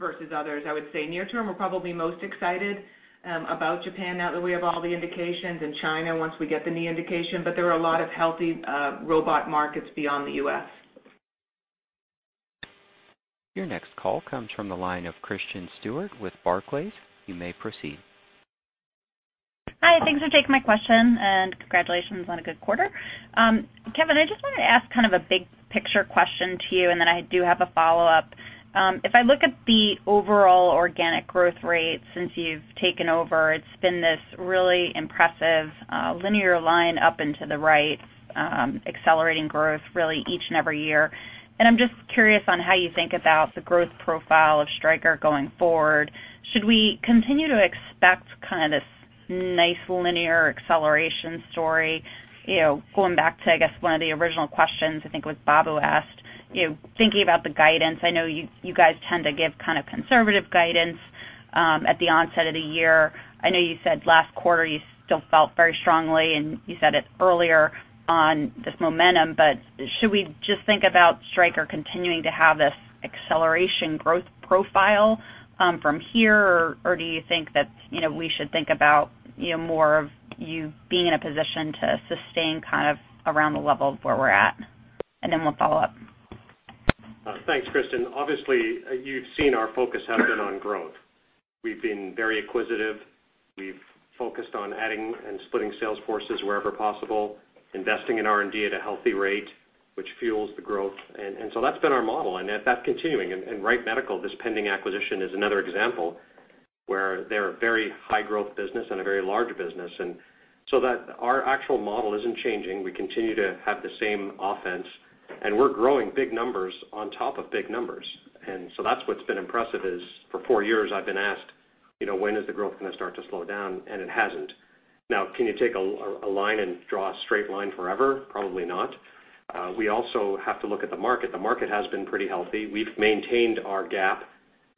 versus others. I would say near term, we're probably most excited about Japan now that we have all the indications, and China once we get the knee indication. There are a lot of healthy robot markets beyond the U.S. Your next call comes from the line of Kristen Stewart with Barclays. You may proceed. Hi, thanks for taking my question, and congratulations on a good quarter. Kevin, I just wanted to ask kind of a big picture question to you, and then I do have a follow-up. If I look at the overall organic growth rate since you've taken over, it's been this really impressive linear line up into the right, accelerating growth really each and every year. I'm just curious on how you think about the growth profile of Stryker going forward. Should we continue to expect kind of this nice linear acceleration story? Going back to, I guess, one of the original questions, I think it was Bob who asked. Thinking about the guidance, I know you guys tend to give conservative guidance at the onset of the year. I know you said last quarter you still felt very strongly, and you said it earlier on this momentum, should we just think about Stryker continuing to have this acceleration growth profile from here, or do you think that we should think about more of you being in a position to sustain around the level of where we're at? We'll follow up. Thanks, Kristen. Obviously, you've seen our focus has been on growth. We've been very acquisitive. We've focused on adding and splitting sales forces wherever possible, investing in R&D at a healthy rate, which fuels the growth. That's been our model, and that's continuing. Wright Medical, this pending acquisition, is another example where they're a very high growth business and a very large business. Our actual model isn't changing. We continue to have the same offense, and we're growing big numbers on top of big numbers. That's what's been impressive is for four years I've been asked, "When is the growth going to start to slow down?" And it hasn't. Now, can you take a line and draw a straight line forever? Probably not. We also have to look at the market. The market has been pretty healthy. We've maintained our gap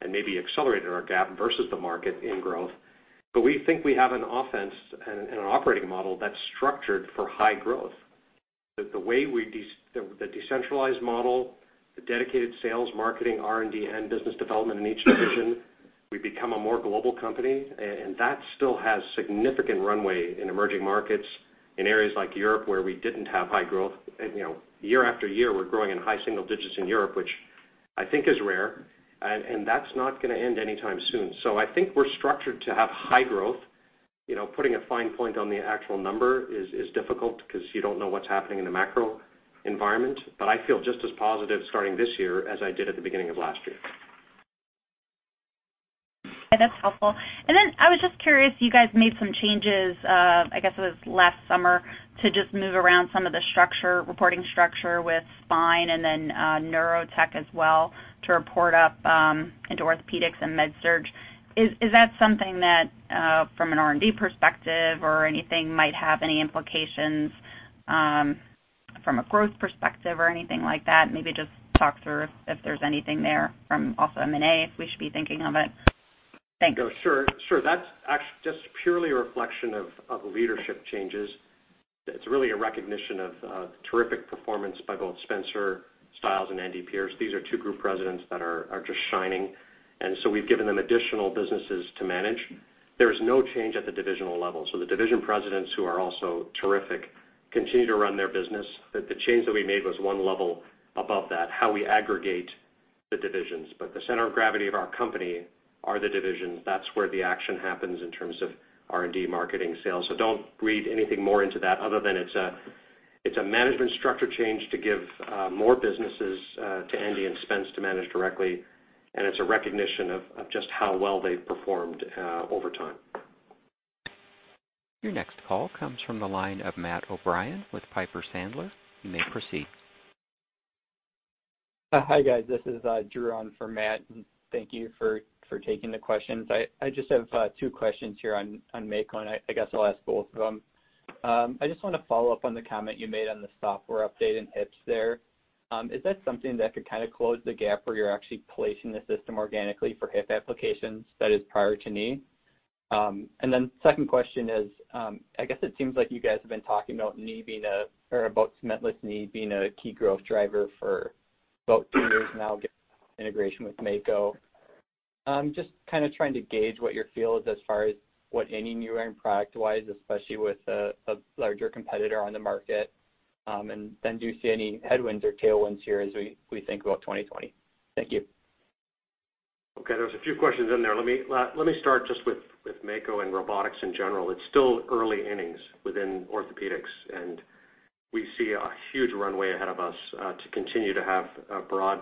and maybe accelerated our gap versus the market in growth. We think we have an offense and an operating model that's structured for high growth. The decentralized model, the dedicated sales, marketing, R&D, and business development in each division, we've become a more global company, and that still has significant runway in emerging markets in areas like Europe, where we didn't have high growth. Year after year, we're growing in high single digits in Europe, which I think is rare, and that's not going to end anytime soon. I think we're structured to have high growth. Putting a fine point on the actual number is difficult because you don't know what's happening in the macro environment. I feel just as positive starting this year as I did at the beginning of last year. That's helpful. I was just curious, you guys made some changes, I guess it was last summer, to just move around some of the reporting structure with Spine and then Neurotech as well to report up into Orthopaedics and MedSurg. Is that something that, from an R&D perspective or anything, might have any implications from a growth perspective or anything like that? Maybe just talk through if there's anything there from also M&A, if we should be thinking of it. Thanks. Sure. That's just purely a reflection of leadership changes. It's really a recognition of terrific performance by both Spencer Stiles and Andy Pierce. These are two group presidents that are just shining, and so we've given them additional businesses to manage. There is no change at the divisional level. The division presidents, who are also terrific, continue to run their business. The change that we made was one level above that, how we aggregate the divisions. The center of gravity of our company are the divisions. That's where the action happens in terms of R&D, marketing, sales. Don't read anything more into that other than it's a management structure change to give more businesses to Andy and Spence to manage directly, and it's a recognition of just how well they've performed over time. Your next call comes from the line of Matt O'Brien with Piper Sandler. You may proceed. Hi, guys. This is Drew on for Matt. Thank you for taking the questions. I just have two questions here on Mako. I guess I'll ask both of them. I just want to follow up on the comment you made on the software update in hips there. Is that something that could kind of close the gap where you're actually placing the system organically for hip applications that is prior to knee? Second question is, I guess it seems like you guys have been talking about cementless knee being a key growth driver for about two years now, given integration with Mako. I'm just kind of trying to gauge what your feel is as far as what any new product-wise, especially with a larger competitor on the market. Do you see any headwinds or tailwinds here as we think about 2020? Thank you. Okay. There's a few questions in there. Let me start just with Mako and robotics in general. It's still early innings within Orthopaedics, and we see a huge runway ahead of us to continue to have a broad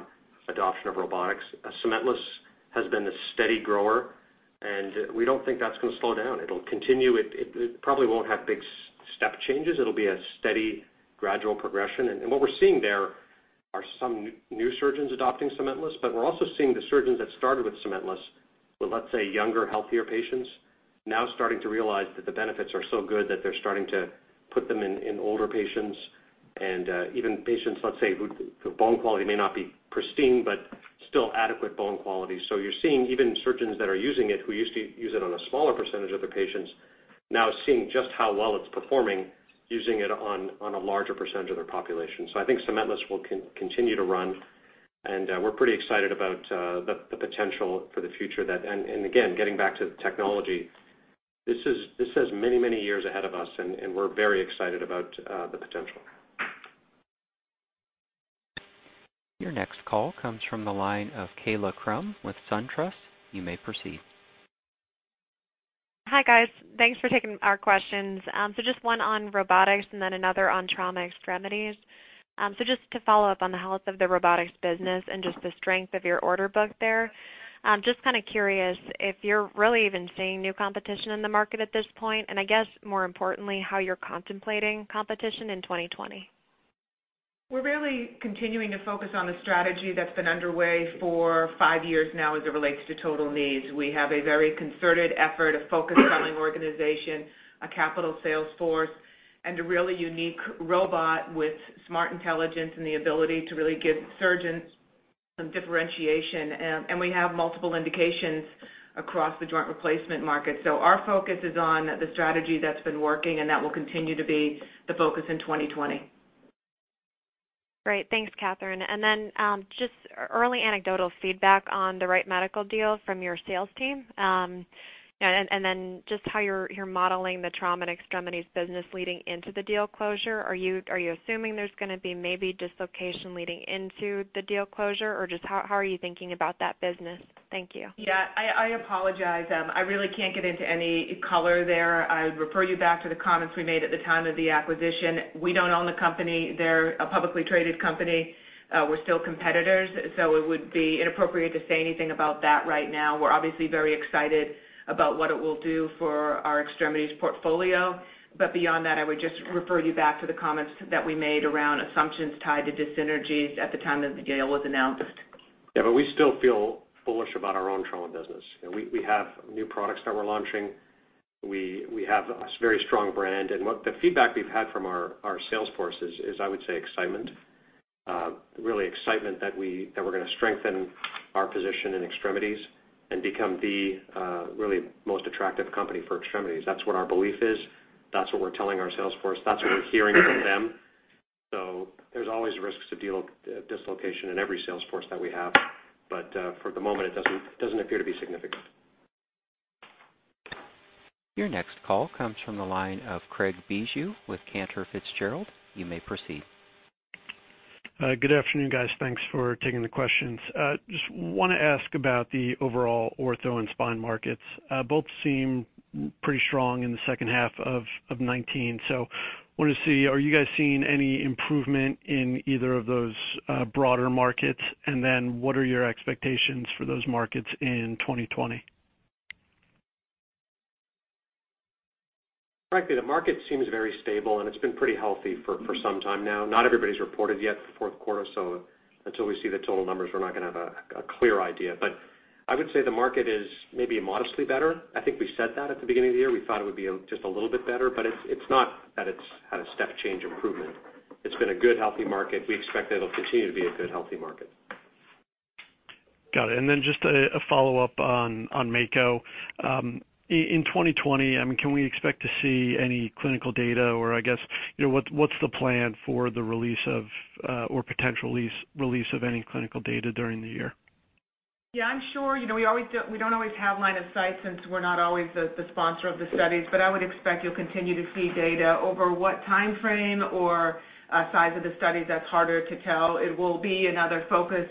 adoption of robotics. Cementless has been a steady grower, and we don't think that's going to slow down. It'll continue. It probably won't have big step changes. It'll be a steady, gradual progression. What we're seeing there are some new surgeons adopting cementless, but we're also seeing the surgeons that started with cementless with, let's say, younger, healthier patients, now starting to realize that the benefits are so good that they're starting to put them in older patients and even patients, let's say, whose bone quality may not be pristine, but still adequate bone quality. You're seeing even surgeons that are using it who used to use it on a smaller percentage of their patients now seeing just how well it's performing using it on a larger percentage of their population. I think cementless will continue to run, and we're pretty excited about the potential for the future. Again, getting back to the technology, this has many, many years ahead of us, and we're very excited about the potential. Your next call comes from the line of Kaila Krum with SunTrust. You may proceed. Hi, guys. Thanks for taking our questions. Just one on robotics and then another on trauma extremities. Just to follow up on the health of the robotics business and just the strength of your order book there, just kind of curious if you're really even seeing new competition in the market at this point, and I guess more importantly, how you're contemplating competition in 2020. We're really continuing to focus on the strategy that's been underway for five years now as it relates to total knees. We have a very concerted effort, a focused selling organization, a capital sales force, and a really unique robot with smart intelligence and the ability to really give surgeons. Some differentiation, we have multiple indications across the joint replacement market. Our focus is on the strategy that's been working, and that will continue to be the focus in 2020. Great. Thanks, Katherine. Just early anecdotal feedback on the Wright Medical deal from your sales team. Just how you're modeling the trauma and extremities business leading into the deal closure. Are you assuming there's going to be maybe dislocation leading into the deal closure? Just how are you thinking about that business? Thank you. Yeah, I apologize. I really can't get into any color there. I would refer you back to the comments we made at the time of the acquisition. We don't own the company. They're a publicly traded company. We're still competitors. It would be inappropriate to say anything about that right now. We're obviously very excited about what it will do for our extremities portfolio. Beyond that, I would just refer you back to the comments that we made around assumptions tied to dissynergies at the time that the deal was announced. We still feel bullish about our own trauma business. We have new products that we're launching. We have a very strong brand, and what the feedback we've had from our sales force is, I would say, excitement. Really excitement that we're going to strengthen our position in extremities and become the really most attractive company for extremities. That's what our belief is. That's what we're telling our sales force. That's what we're hearing from them. There's always risks of deal dislocation in every sales force that we have. For the moment, it doesn't appear to be significant. Your next call comes from the line of Craig Bijou with Cantor Fitzgerald. You may proceed. Good afternoon, guys. Thanks for taking the questions. Just want to ask about the overall Ortho and Spine markets. Both seem pretty strong in the second half of 2019. Want to see, are you guys seeing any improvement in either of those broader markets? What are your expectations for those markets in 2020? Frankly, the market seems very stable, and it's been pretty healthy for some time now. Not everybody's reported yet for fourth quarter, until we see the total numbers, we're not going to have a clear idea. I would say the market is maybe modestly better. I think we said that at the beginning of the year. We thought it would be just a little bit better, it's not that it's had a step change improvement. It's been a good, healthy market. We expect that it'll continue to be a good, healthy market. Got it. Just a follow-up on Mako. In 2020, can we expect to see any clinical data? I guess, what's the plan for the release of, or potential release of any clinical data during the year? Yeah, I'm sure. We don't always have line of sight since we're not always the sponsor of the studies, but I would expect you'll continue to see data. Over what timeframe or size of the studies, that's harder to tell. It will be another focus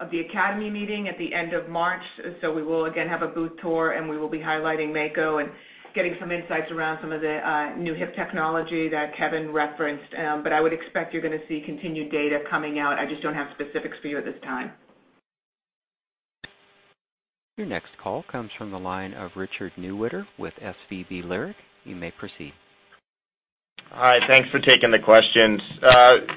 of the Academy Meeting at the end of March. We will again have a booth tour, and we will be highlighting Mako and getting some insights around some of the new hip technology that Kevin referenced. I would expect you're going to see continued data coming out. I just don't have specifics for you at this time. Your next call comes from the line of Richard Newitter with SVB Leerink. You may proceed. Hi, thanks for taking the questions.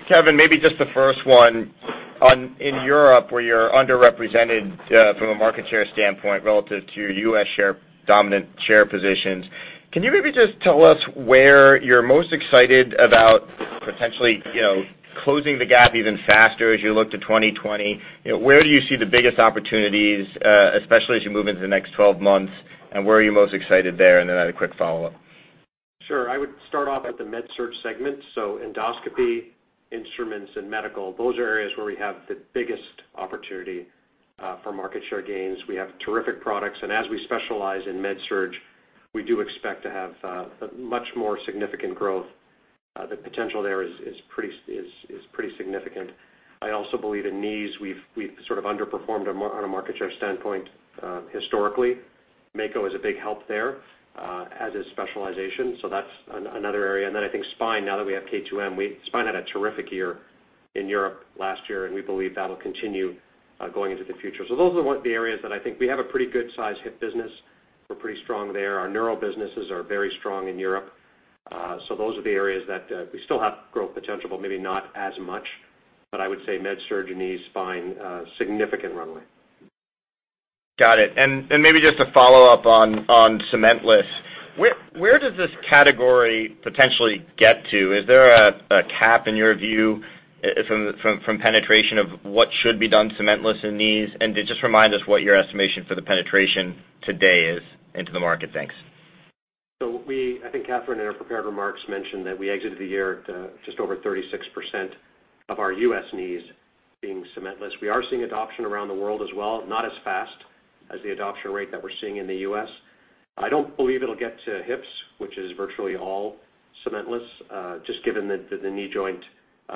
Kevin, maybe just the first one. In Europe, where you're underrepresented from a market share standpoint relative to your U.S. dominant share positions, can you maybe just tell us where you're most excited about potentially closing the gap even faster as you look to 2020? Where do you see the biggest opportunities, especially as you move into the next 12 months? Where are you most excited there? I had a quick follow-up. Sure. I would start off at the MedSurg segment. Endoscopy, instruments, and medical, those are areas where we have the biggest opportunity for market share gains. We have terrific products. As we specialize in MedSurg, we do expect to have a much more significant growth. The potential there is pretty significant. I also believe in knees, we've sort of underperformed on a market share standpoint historically. Mako is a big help there, as is specialization. That's another area. I think spine, now that we have K2M. Spine had a terrific year in Europe last year, and we believe that'll continue going into the future. Those are the areas that I think we have a pretty good size hip business. We're pretty strong there. Our neural businesses are very strong in Europe. Those are the areas that we still have growth potential, but maybe not as much. I would say MedSurg and knees find significant runway. Got it. Maybe just a follow-up on cementless. Where does this category potentially get to? Is there a cap in your view from penetration of what should be done cementless in knees? Just remind us what your estimation for the penetration today is into the market. Thanks. I think Katherine in her prepared remarks mentioned that we exited the year at just over 36% of our U.S. knees being cementless. We are seeing adoption around the world as well, not as fast as the adoption rate that we're seeing in the U.S. I don't believe it'll get to hips, which is virtually all cementless, just given the knee joint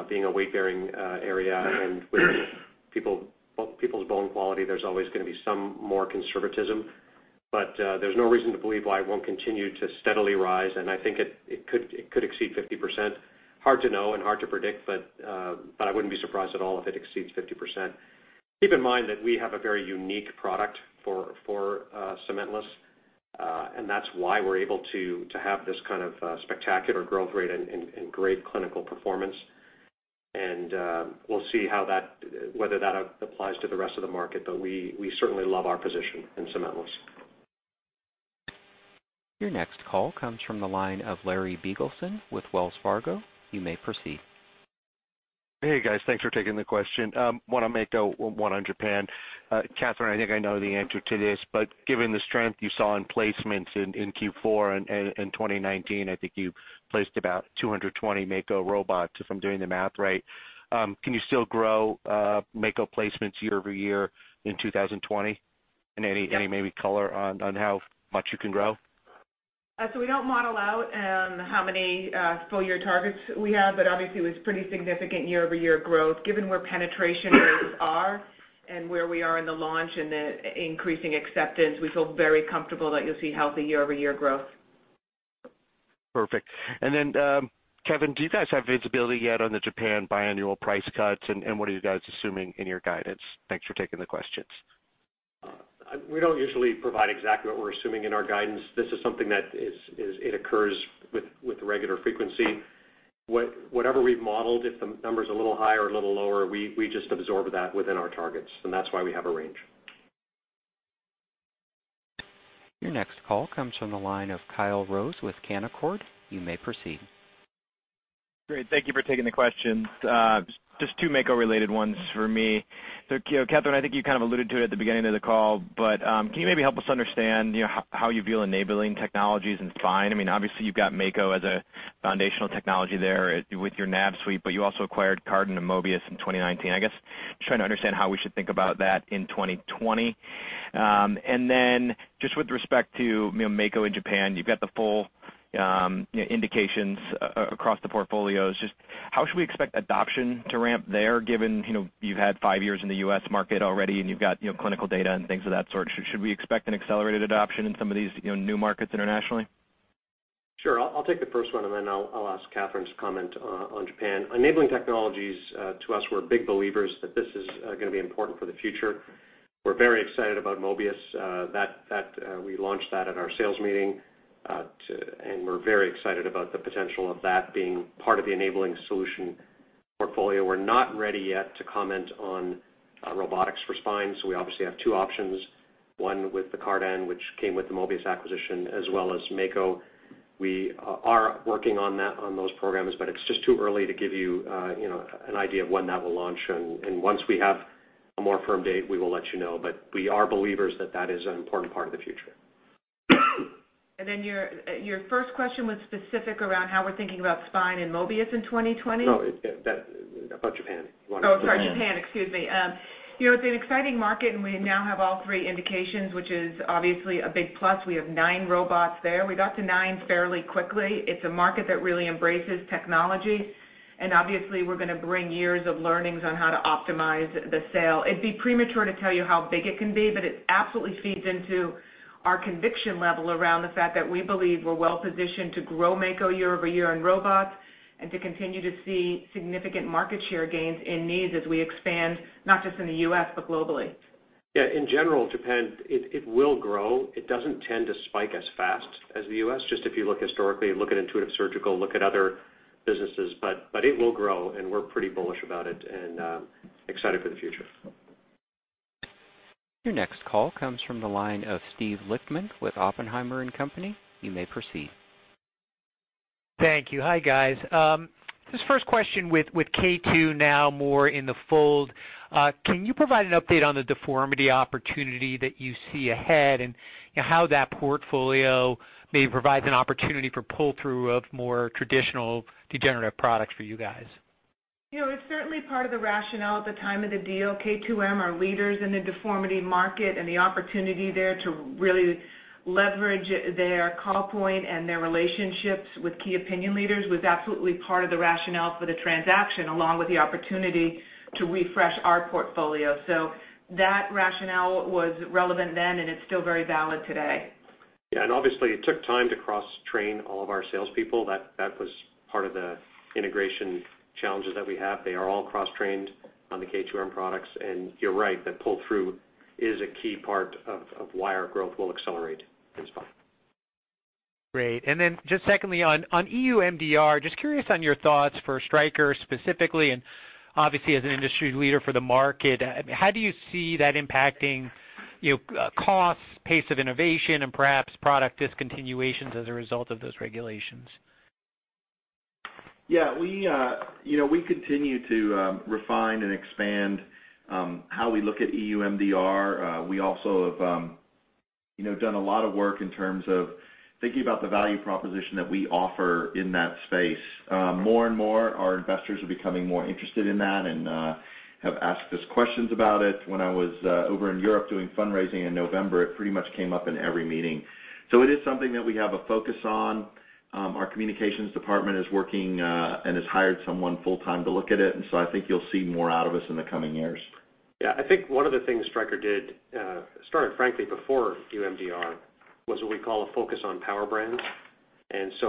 being a weight-bearing area and with people's bone quality, there's always going to be some more conservatism. There's no reason to believe why it won't continue to steadily rise, and I think it could exceed 50%. Hard to know and hard to predict, but I wouldn't be surprised at all if it exceeds 50%. Keep in mind that we have a very unique product for cementless, and that's why we're able to have this kind of spectacular growth rate and great clinical performance. We'll see whether that applies to the rest of the market, but we certainly love our position in cementless. Your next call comes from the line of Larry Biegelsen with Wells Fargo. You may proceed. Hey, guys. Thanks for taking the question. Want to make one on Japan. Katherine, I think I know the answer to this, but given the strength you saw in placements in Q4 and 2019, I think you placed about 220 Mako robots, if I'm doing the math right. Can you still grow Mako placements year-over-year in 2020? Any maybe color on how much you can grow? We don't model out how many full-year targets we have, but obviously it was pretty significant year-over-year growth. Given where penetration rates are and where we are in the launch and the increasing acceptance, we feel very comfortable that you'll see healthy year-over-year growth. Perfect. Then, Kevin, do you guys have visibility yet on the Japan biannual price cuts? What are you guys assuming in your guidance? Thanks for taking the questions. We don't usually provide exactly what we're assuming in our guidance. This is something that occurs with regular frequency. Whatever we've modeled, if the number's a little higher or a little lower, we just absorb that within our targets, and that's why we have a range. Your next call comes from the line of Kyle Rose with Canaccord. You may proceed. Great. Thank you for taking the questions. Just two Mako-related ones for me. Katherine, I think you kind of alluded to it at the beginning of the call, but can you maybe help us understand how you view enabling technologies in spine? Obviously, you've got Mako as a foundational technology there with your nav suite, but you also acquired Cardan and Mobius in 2019. I guess, trying to understand how we should think about that in 2020. Just with respect to Mako in Japan, you've got the full indications across the portfolios. Just how should we expect adoption to ramp there, given you've had five years in the U.S. market already and you've got clinical data and things of that sort. Should we expect an accelerated adoption in some of these new markets internationally? Sure. I'll take the first one. Then I'll ask Katherine to comment on Japan. Enabling technologies, to us, we're big believers that this is going to be important for the future. We're very excited about Mobius. We launched that at our sales meeting. We're very excited about the potential of that being part of the enabling solution portfolio. We're not ready yet to comment on robotics for spine. We obviously have two options, one with the Cardan, which came with the Mobius acquisition, as well as Mako. We are working on those programs. It's just too early to give you an idea of when that will launch. Once we have a more firm date, we will let you know. We are believers that that is an important part of the future. Your first question was specific around how we're thinking about spine and Mobius in 2020? No, about Japan. Oh, sorry, Japan. Excuse me. It's an exciting market, and we now have all three indications, which is obviously a big plus. We have nine robots there. We got to nine fairly quickly. It's a market that really embraces technology, and obviously, we're going to bring years of learnings on how to optimize the sale. It'd be premature to tell you how big it can be, but it absolutely feeds into our conviction level around the fact that we believe we're well-positioned to grow Mako year-over-year in robots and to continue to see significant market share gains in knees as we expand, not just in the U.S., but globally. Yeah, in general, Japan, it will grow. It doesn't tend to spike as fast as the U.S., just if you look historically, look at Intuitive Surgical, look at other businesses. It will grow, and we're pretty bullish about it and excited for the future. Your next call comes from the line of Steven Lichtman with Oppenheimer & Co.. You may proceed. Thank you. Hi, guys. This first question with K2 now more in the fold, can you provide an update on the deformity opportunity that you see ahead and how that portfolio maybe provides an opportunity for pull-through of more traditional degenerative products for you guys? It's certainly part of the rationale at the time of the deal. K2M are leaders in the deformity market, and the opportunity there to really leverage their call point and their relationships with key opinion leaders was absolutely part of the rationale for the transaction, along with the opportunity to refresh our portfolio. That rationale was relevant then, and it's still very valid today. Obviously it took time to cross-train all of our salespeople. That was part of the integration challenges that we have. They are all cross-trained on the K2M products. You're right, the pull-through is a key part of why our growth will accelerate in spine. Great. Secondly on EU MDR, just curious on your thoughts for Stryker specifically, and obviously as an industry leader for the market, how do you see that impacting costs, pace of innovation, and perhaps product discontinuations as a result of those regulations? We continue to refine and expand how we look at EU MDR. We also have done a lot of work in terms of thinking about the value proposition that we offer in that space. More and more, our investors are becoming more interested in that and have asked us questions about it. When I was over in Europe doing fundraising in November, it pretty much came up in every meeting. It is something that we have a focus on. Our communications department is working and has hired someone full-time to look at it, and I think you'll see more out of us in the coming years. I think one of the things Stryker did, started frankly before EU MDR, was what we call a focus on power brands.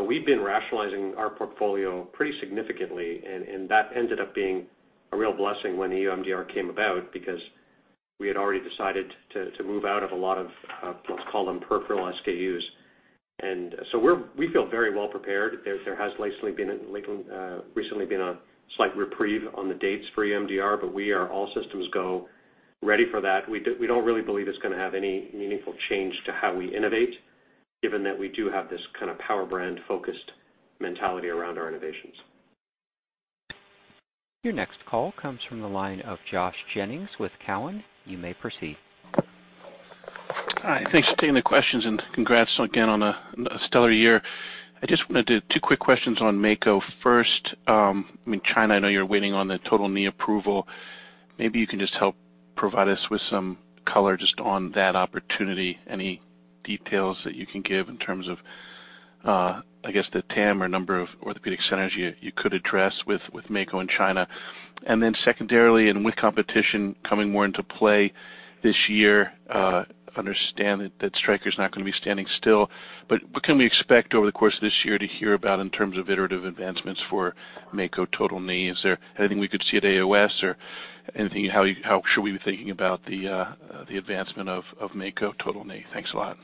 We've been rationalizing our portfolio pretty significantly, and that ended up being a real blessing when EU MDR came about because we had already decided to move out of a lot of, let's call them peripheral SKUs. We feel very well prepared. There has recently been a slight reprieve on the dates for EU MDR, but we are all systems go, ready for that. We don't really believe it's going to have any meaningful change to how we innovate, given that we do have this kind of power brand-focused mentality around our innovations. Your next call comes from the line of Josh Jennings with Cowen. You may proceed. Hi. Thanks for taking the questions, congrats again on a stellar year. Two quick questions on Mako. First, in China, I know you're waiting on the total knee approval. Maybe you can just help provide us with some color just on that opportunity. Any details that you can give in terms of, I guess, the TAM or number of orthopedic centers you could address with Mako in China. Secondarily, and with competition coming more into play this year, I understand that Stryker's not going to be standing still, but what can we expect over the course of this year to hear about in terms of iterative advancements for Mako total knee? Is there anything we could see at AAOS or how should we be thinking about the advancement of Mako total knee? Thanks a lot.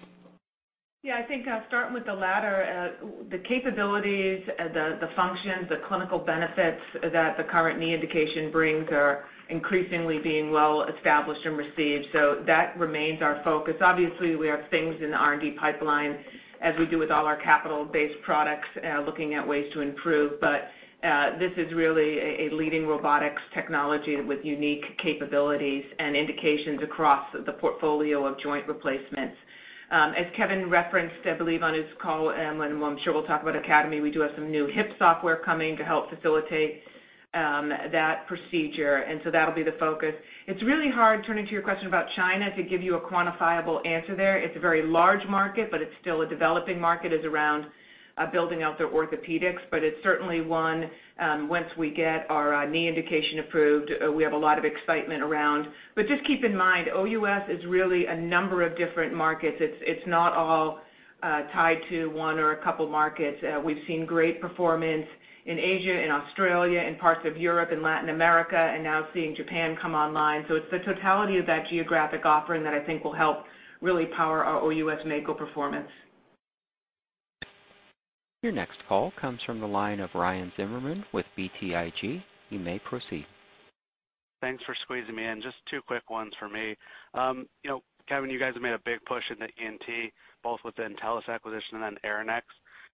Yeah, I think I'll start with the latter. The capabilities, the functions, the clinical benefits that the current knee indication brings are increasingly being well established and received. That remains our focus. Obviously, we have things in the R&D pipeline as we do with all our capital-based products, looking at ways to improve. This is really a leading robotics technology with unique capabilities and indications across the portfolio of joint replacements. As Kevin referenced, I believe, on his call, I'm sure we'll talk about AAOS, we do have some new hip software coming to help facilitate that procedure, that'll be the focus. It's really hard, turning to your question about China, to give you a quantifiable answer there. It's a very large market, it's still a developing market, as around building out their orthopedics. It's certainly one, once we get our knee indication approved, we have a lot of excitement around. Just keep in mind, OUS is really a number of different markets. It's not all tied to one or a couple markets. We've seen great performance in Asia and Australia, in parts of Europe and Latin America, and now seeing Japan come online. It's the totality of that geographic offering that I think will help really power our OUS Mako performance. Your next call comes from the line of Ryan Zimmerman with BTIG. You may proceed. Thanks for squeezing me in. Just two quick ones for me. Kevin, you guys have made a big push into ENT, both with the Entellus acquisition and then Arrinex.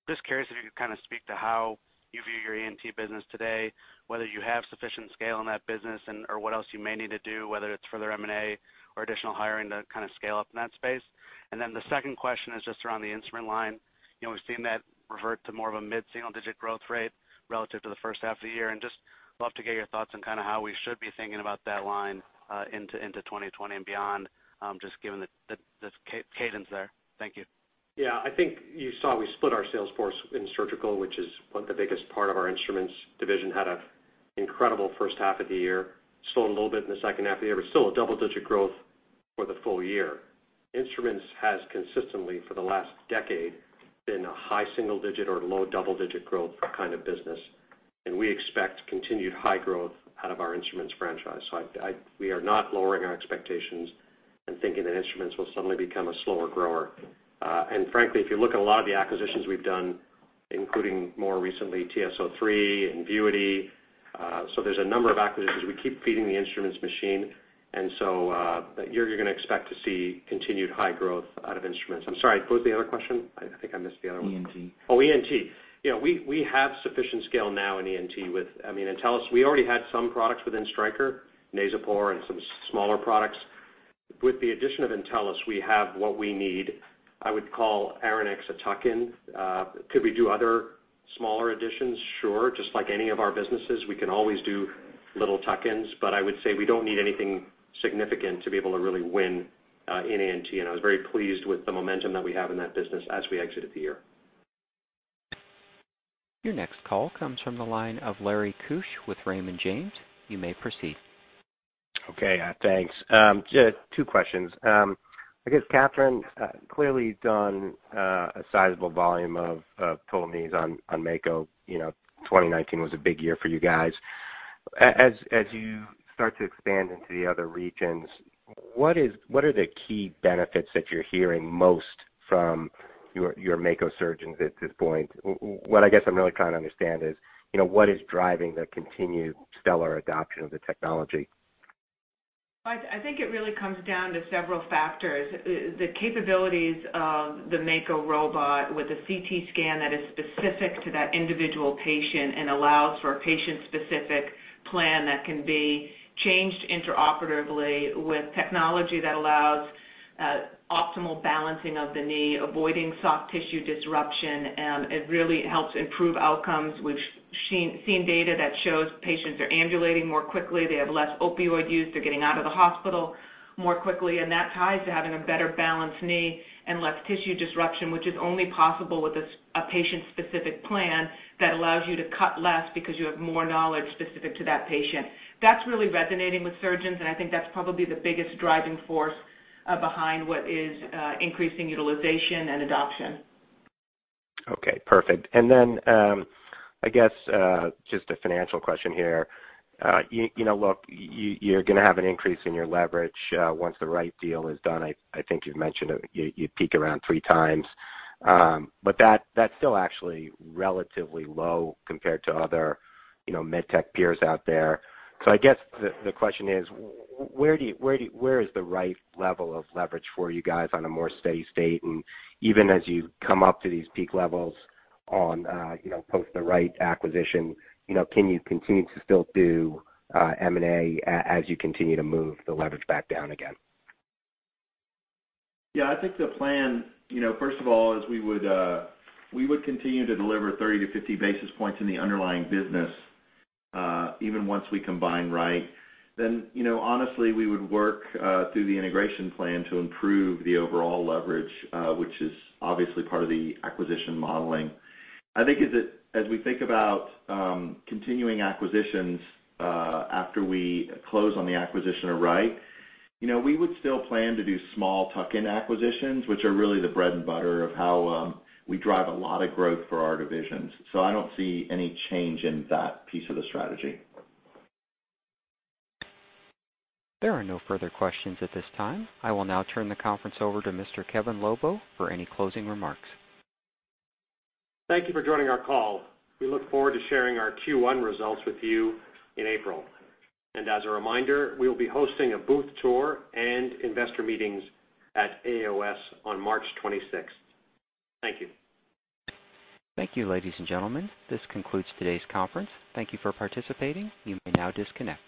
Just curious if you could kind of speak to how you view your ENT business today, whether you have sufficient scale in that business or what else you may need to do, whether it's further M&A or additional hiring to kind of scale up in that space. The second question is just around the instrument line. We've seen that revert to more of a mid-single-digit growth rate relative to the first half of the year. Just love to get your thoughts on kind of how we should be thinking about that line into 2020 and beyond, just given the cadence there. Thank you. Yeah. I think you saw we split our sales force in surgical, which is the biggest part of our instruments division, had an incredible first half of the year. Slowed a little bit in the second half of the year, but still a double-digit growth for the full year. Instruments has consistently, for the last decade, been a high single-digit or low double-digit growth kind of business, and we expect continued high growth out of our instruments franchise. We are not lowering our expectations and thinking that instruments will suddenly become a slower grower. Frankly, if you look at a lot of the acquisitions we've done, including more recently, TSO3 and Entellus, so there's a number of acquisitions. We keep feeding the instruments machine, and so you're going to expect to see continued high growth out of instruments. I'm sorry, what was the other question? I think I missed the other one. ENT. ENT. We have sufficient scale now in ENT with Entellus. We already had some products within Stryker, NasoPore and some smaller products. With the addition of Entellus, we have what we need. I would call Arrinex a tuck-in. Could we do other smaller additions? Sure. Just like any of our businesses, we can always do little tuck-ins. I would say we don't need anything significant to be able to really win in ENT, and I was very pleased with the momentum that we have in that business as we exited the year. Your next call comes from the line of Larry Keusch with Raymond James. You may proceed. Okay. Thanks. Just two questions. I guess Katherine clearly done a sizable volume of total knees on Mako. 2019 was a big year for you guys. As you start to expand into the other regions, what are the key benefits that you're hearing most from your Mako surgeons at this point? What I guess I'm really trying to understand is, what is driving the continued stellar adoption of the technology? I think it really comes down to several factors. The capabilities of the Mako robot with a CT scan that is specific to that individual patient and allows for a patient-specific plan that can be changed intraoperatively with technology that allows optimal balancing of the knee, avoiding soft tissue disruption. It really helps improve outcomes. We've seen data that shows patients are ambulating more quickly. They have less opioid use. They're getting out of the hospital more quickly, and that ties to having a better balanced knee and less tissue disruption, which is only possible with a patient-specific plan that allows you to cut less because you have more knowledge specific to that patient. That's really resonating with surgeons, and I think that's probably the biggest driving force behind what is increasing utilization and adoption. Okay, perfect. I guess, just a financial question here. Look, you're going to have an increase in your leverage once the Wright deal is done. I think you've mentioned you peak around three times. That's still actually relatively low compared to other MedTech peers out there. I guess the question is: where is the right level of leverage for you guys on a more steady state? Even as you come up to these peak levels on post the Wright acquisition, can you continue to still do M&A as you continue to move the leverage back down again? I think the plan, first of all, is we would continue to deliver 30 to 50 basis points in the underlying business even once we combine Wright. Honestly, we would work through the integration plan to improve the overall leverage, which is obviously part of the acquisition modeling. I think as we think about continuing acquisitions after we close on the acquisition of Wright, we would still plan to do small tuck-in acquisitions, which are really the bread and butter of how we drive a lot of growth for our divisions. I don't see any change in that piece of the strategy. There are no further questions at this time. I will now turn the conference over to Mr. Kevin Lobo for any closing remarks. Thank you for joining our call. We look forward to sharing our Q1 results with you in April. As a reminder, we will be hosting a booth tour and investor meetings at AAOS on March 26th. Thank you. Thank you, ladies and gentlemen. This concludes today's conference. Thank you for participating. You may now disconnect.